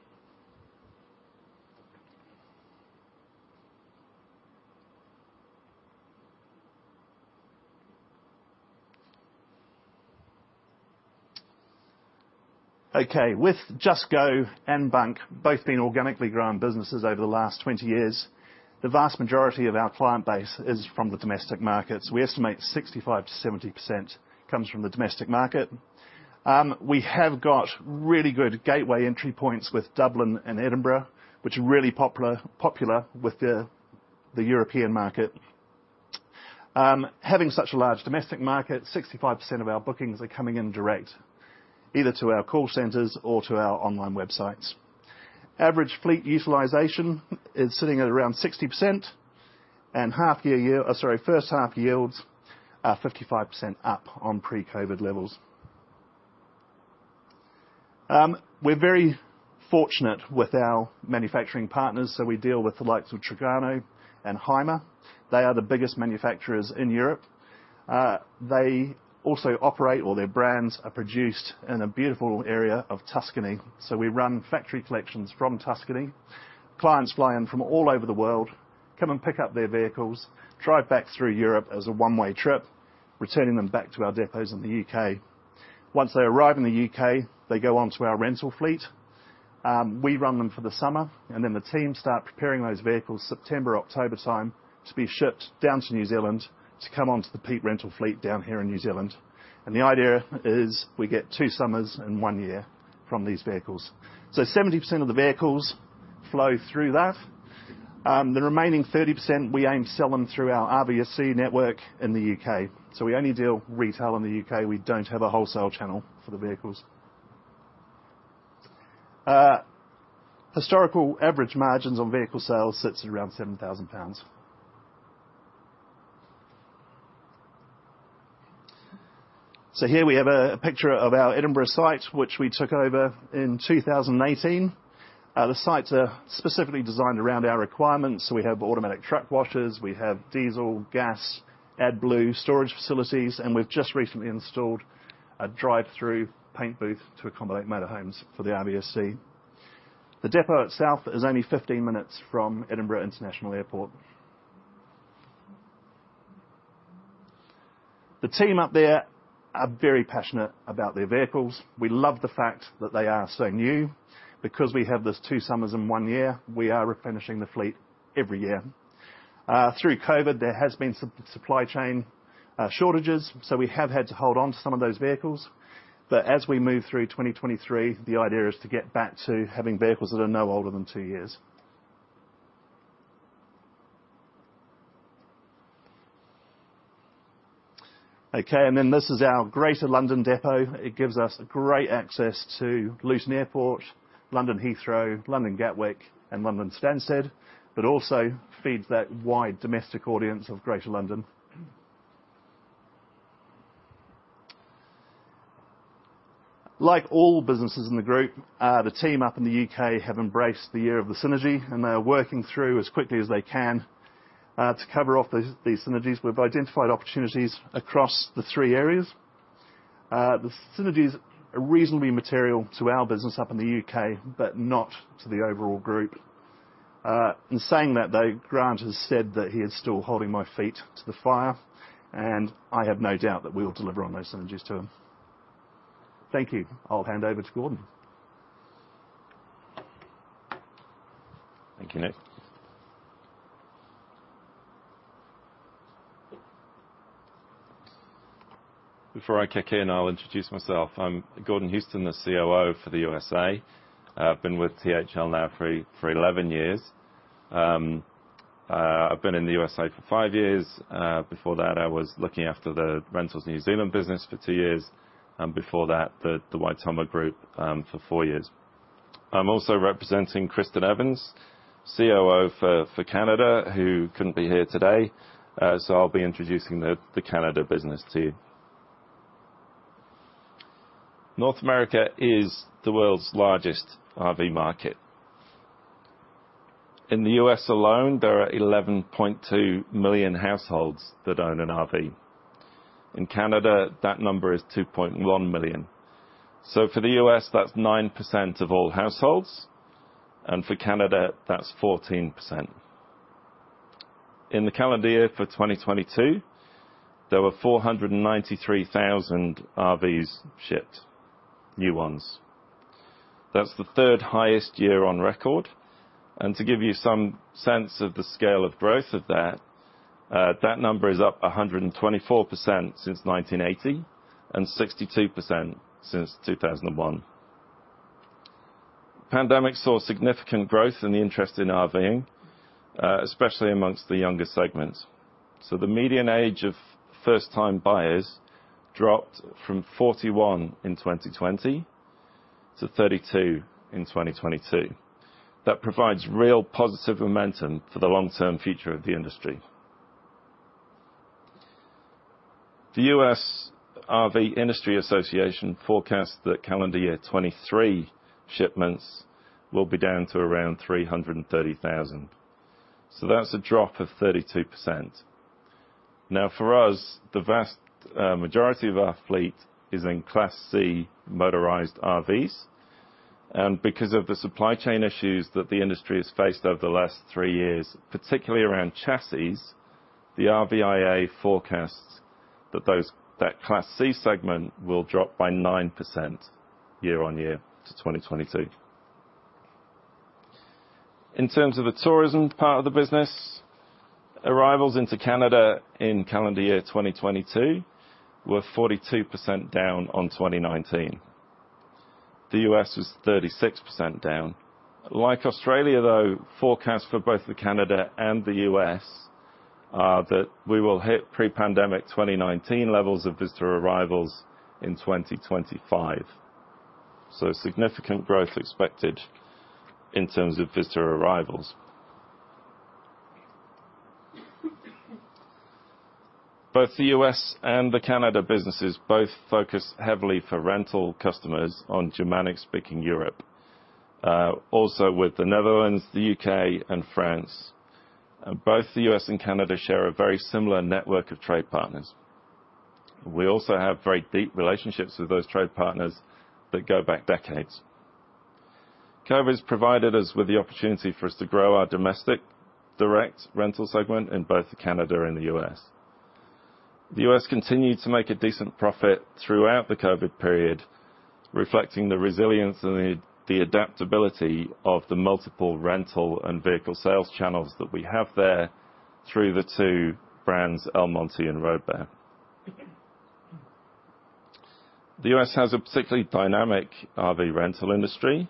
With Just go and Bunk both been organically grown businesses over the last 20 years, the vast majority of our client base is from the domestic markets. We estimate 65%-70% comes from the domestic market. We have got really good gateway entry points with Dublin and Edinburgh, which are really popular with the European market. Having such a large domestic market, 65% of our bookings are coming in direct, either to our call centers or to our online websites. Average fleet utilization is sitting at around 60% and first half yields are 55% up on pre-COVID levels. We're very fortunate with our manufacturing partners, so we deal with the likes of Trigano and Hymer. They are the biggest manufacturers in Europe. They also operate, or their brands are produced in a beautiful area of Tuscany, so we run factory collections from Tuscany. Clients fly in from all over the world, come and pick up their vehicles, drive back through Europe as a one-way trip, returning them back to our depots in the UK. Once they arrive in the UK, they go onto our rental fleet. We run them for the summer, the team start preparing those vehicles September, October time to be shipped down to New Zealand to come onto the Peak rental fleet down here in New Zealand. The idea is we get 2 summers in 1 year from these vehicles. 70% of the vehicles flow through that. The remaining 30%, we aim to sell them through our RVSC network in the UK. We only deal retail in the UK. We don't have a wholesale channel for the vehicles. Historical average margins on vehicle sales sits at around GBP 7,000. Here we have a picture of our Edinburgh site, which we took over in 2018. The site's specifically designed around our requirements, so we have automatic truck washers, we have diesel, gas, AdBlue storage facilities, and we've just recently installed a drive-through paint booth to accommodate motor homes for the RVSC. The depot itself is only 15 minutes from Edinburgh International Airport. The team up there are very passionate about their vehicles. We love the fact that they are so new. Because we have this 2 summers in 1 year, we are replenishing the fleet every year. Through COVID, there has been some supply chain shortages, so we have had to hold on to some of those vehicles. As we move through 2023, the idea is to get back to having vehicles that are no older than 2 years. Okay. This is our Greater London depot. It gives us great access to Luton Airport, London Heathrow, London Gatwick, and London Stansted, but also feeds that wide domestic audience of Greater London. Like all businesses in the group, the team up in the UK have embraced the year of the synergy, and they are working through as quickly as they can to cover off these synergies. We've identified opportunities across the three areas. The synergies are reasonably material to our business up in the UK, but not to the overall group. In saying that though, Grant has said that he is still holding my feet to the fire, and I have no doubt that we will deliver on those synergies to him. Thank you. I'll hand over to Gordon. Thank you, Nick. Before I kick in, I'll introduce myself. I'm Gordon Hewston, the COO for the USA. I've been with THL now for 11 years. I've been in the USA for 5 years. Before that I was looking after the rentals New Zealand business for 2 years, and before that, the Whitcoulls Group, for 4 years. I'm also representing Kristen Evans, COO for Canada, who couldn't be here today, so I'll be introducing the Canada business to you. North America is the world's largest RV market. In the U.S. alone, there are 11.2 million households that own an RV. In Canada, that number is 2.1 million. For the U.S., that's 9% of all households, and for Canada, that's 14%. In the calendar year for 2022, there were 493,000 RVs shipped, new ones. That's the third highest year on record. To give you some sense of the scale of growth of that number is up 124% since 1980 and 62% since 2001. Pandemic saw significant growth in the interest in RVing, especially amongst the younger segments. The median age of first time buyers dropped from 41 in 2020 to 32 in 2022. That provides real positive momentum for the long-term future of the industry. The RV Industry Association forecasts that calendar year 2023 shipments will be down to around 330,000. That's a drop of 32%. Now for us, the vast majority of our fleet is in Class C motorized RVs. Because of the supply chain issues that the industry has faced over the last 3 years, particularly around chassis, the RVIA forecasts that Class C segment will drop by 9% year-on-year to 2022. In terms of the tourism part of the business, arrivals into Canada in calendar year 2022 were 42% down on 2019. The U.S. was 36% down. Like Australia, though, forecast for both the Canada and the U.S. are that we will hit pre-pandemic 2019 levels of visitor arrivals in 2025. Significant growth expected in terms of visitor arrivals. Both the U.S. and the Canada businesses both focus heavily for rental customers on Germanic-speaking Europe. Also with the Netherlands, the U.K. and France. Both the U.S. and Canada share a very similar network of trade partners. We also have very deep relationships with those trade partners that go back decades. COVID has provided us with the opportunity for us to grow our domestic direct rental segment in both Canada and the U.S. The U.S. continued to make a decent profit throughout the COVID period, reflecting the resilience and the adaptability of the multiple rental and vehicle sales channels that we have there through the two brands, El Monte and RoadBear. The U.S. has a particularly dynamic RV rental industry.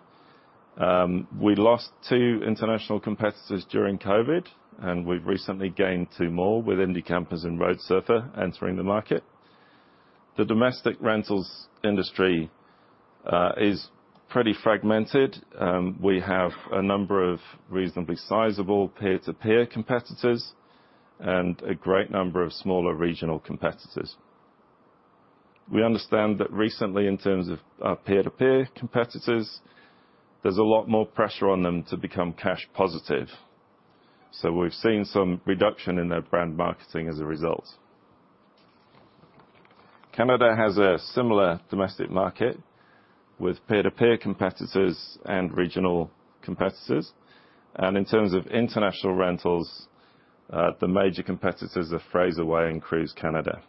We lost two international competitors during COVID, and we've recently gained two more with Indie Campers and roadsurfer entering the market. The domestic rentals industry is pretty fragmented. We have a number of reasonably sizable peer-to-peer competitors and a great number of smaller regional competitors. We understand that recently, in terms of peer-to-peer competitors, there's a lot more pressure on them to become cash positive. So we've seen some reduction in their brand marketing as a result. Canada has a similar domestic market, with peer-to-peer competitors and regional competitors. In terms of international rentals, the major competitors are Fraserway and Cruise Canada.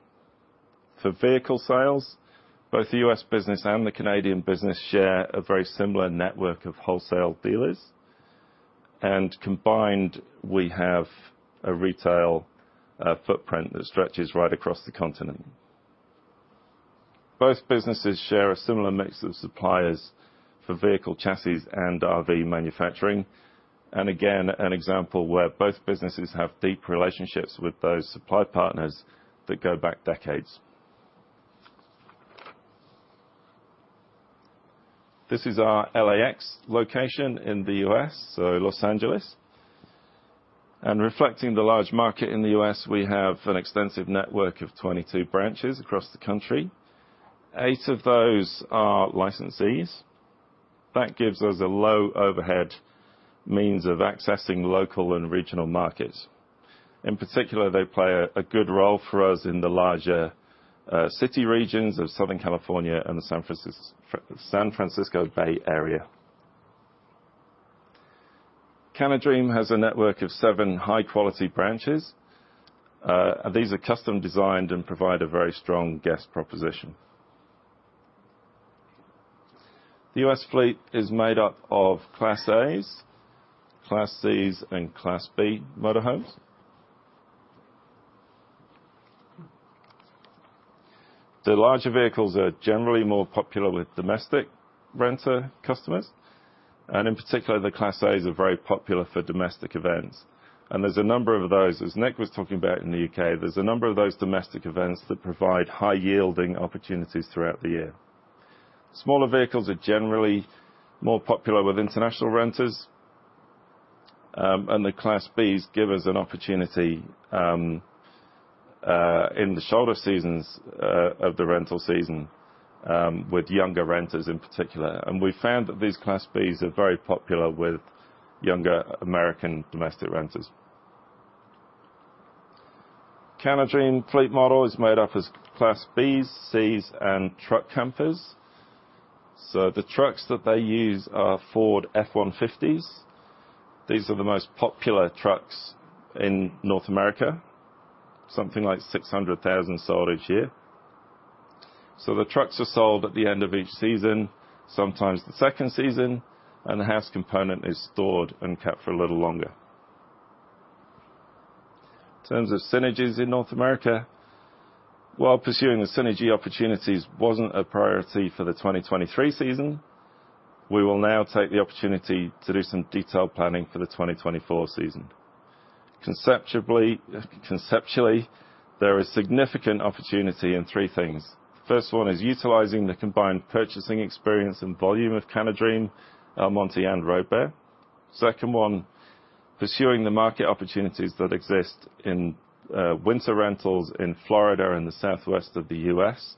For vehicle sales, both the U.S. business and the Canadian business share a very similar network of wholesale dealers. Combined, we have a retail footprint that stretches right across the continent. Both businesses share a similar mix of suppliers for vehicle chassis and RV manufacturing. Again, an example where both businesses have deep relationships with those supply partners that go back decades. This is our LAX location in the U.S., so Los Angeles. Reflecting the large market in the U.S., we have an extensive network of 22 branches across the country. 8 of those are licensees. That gives us a low overhead means of accessing local and regional markets. In particular, they play a good role for us in the larger city regions of Southern California and the San Francisco Bay Area. CanaDream has a network of 7 high-quality branches. These are custom designed and provide a very strong guest proposition. The U.S. fleet is made up of Class As, Class Cs, and Class B motor homes. The larger vehicles are generally more popular with domestic renter customers, and in particular, the Class A's are very popular for domestic events. There's a number of those, as Nick was talking about in the U.K., there's a number of those domestic events that provide high-yielding opportunities throughout the year. Smaller vehicles are generally more popular with international renters. The Class Bs give us an opportunity in the shoulder seasons of the rental season with younger renters in particular. We found that these Class Bs are very popular with younger American domestic renters. CanaDream fleet model is made up as Class Bs, Cs, and truck campers. The trucks that they use are Ford F-150s. These are the most popular trucks in North America. Something like 600,000 sold each year. The trucks are sold at the end of each season, sometimes the second season, and the house component is stored and kept for a little longer. In terms of synergies in North America, while pursuing the synergy opportunities wasn't a priority for the 2023 season, we will now take the opportunity to do some detailed planning for the 2024 season. Conceptually, there is significant opportunity in three things. First one is utilizing the combined purchasing experience and volume of CanaDream, El Monte and RoadBear. Second one, pursuing the market opportunities that exist in winter rentals in Florida and the Southwest of the U.S.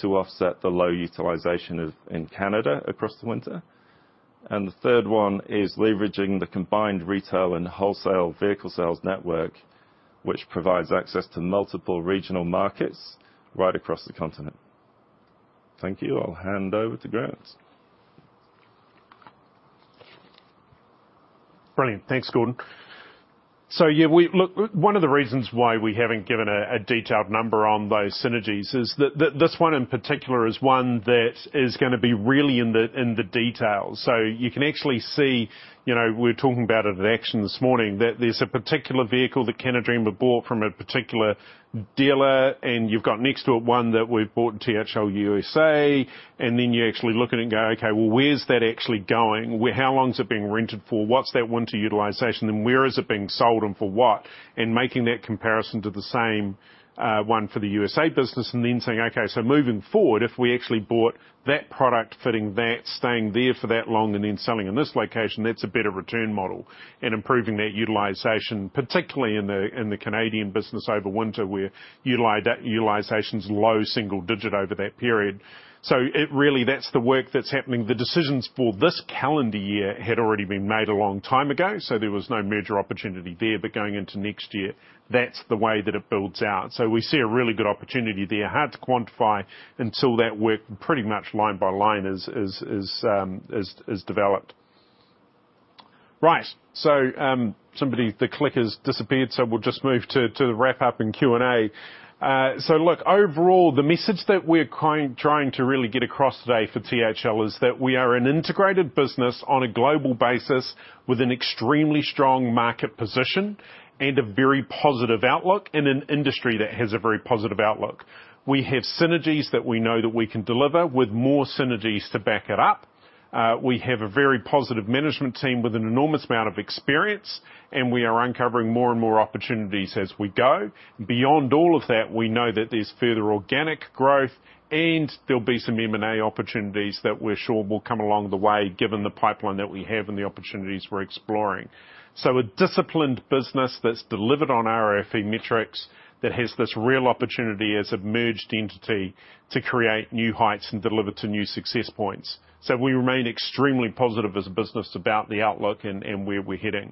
to offset the low utilization of, in Canada across the winter. The third one is leveraging the combined retail wholesale vehicle sales network, which provides access to multiple regional markets right across the continent. Thank you. I'll hand over to Grant. Brilliant. Thanks, Gordon. Look, one of the reasons why we haven't given a detailed number on those synergies is this one in particular is one that is gonna be really in the details. You can actually see, you know, we're talking about it at Action this morning, that there's a particular vehicle that CanaDream bought from a particular dealer, and you've got next to it one that we've bought in THL USA, and then you actually look at it and go, "Okay, well, where's that actually going? How long is it being rented for? What's that winter utilization, and where is it being sold and for what? Making that comparison to the same one for the USA business and then saying, "Okay, so moving forward, if we actually bought that product fitting that, staying there for that long and then selling in this location, that's a better return model." Improving that utilization, particularly in the Canadian business over winter, where utilization's low single digit over that period. It really, that's the work that's happening. The decisions for this calendar year had already been made a long time ago, so there was no major opportunity there. Going into next year, that's the way that it builds out. We see a really good opportunity there. Hard to quantify until that work pretty much line by line is developed. Right. Somebody, the click has disappeared, so we'll just move to the wrap-up and Q&A. Look, overall, the message that we're trying to really get across today for THL is that we are an integrated business on a global basis with an extremely strong market position and a very positive outlook in an industry that has a very positive outlook. We have synergies that we know that we can deliver with more synergies to back it up. We have a very positive management team with an enormous amount of experience, and we are uncovering more and more opportunities as we go. Beyond all of that, we know that there's further organic growth and there'll be some M&A opportunities that we're sure will come along the way given the pipeline that we have and the opportunities we're exploring. A disciplined business that's delivered on our FE metrics, that has this real opportunity as a merged entity to create new heights and deliver to new success points. We remain extremely positive as a business about the outlook and where we're heading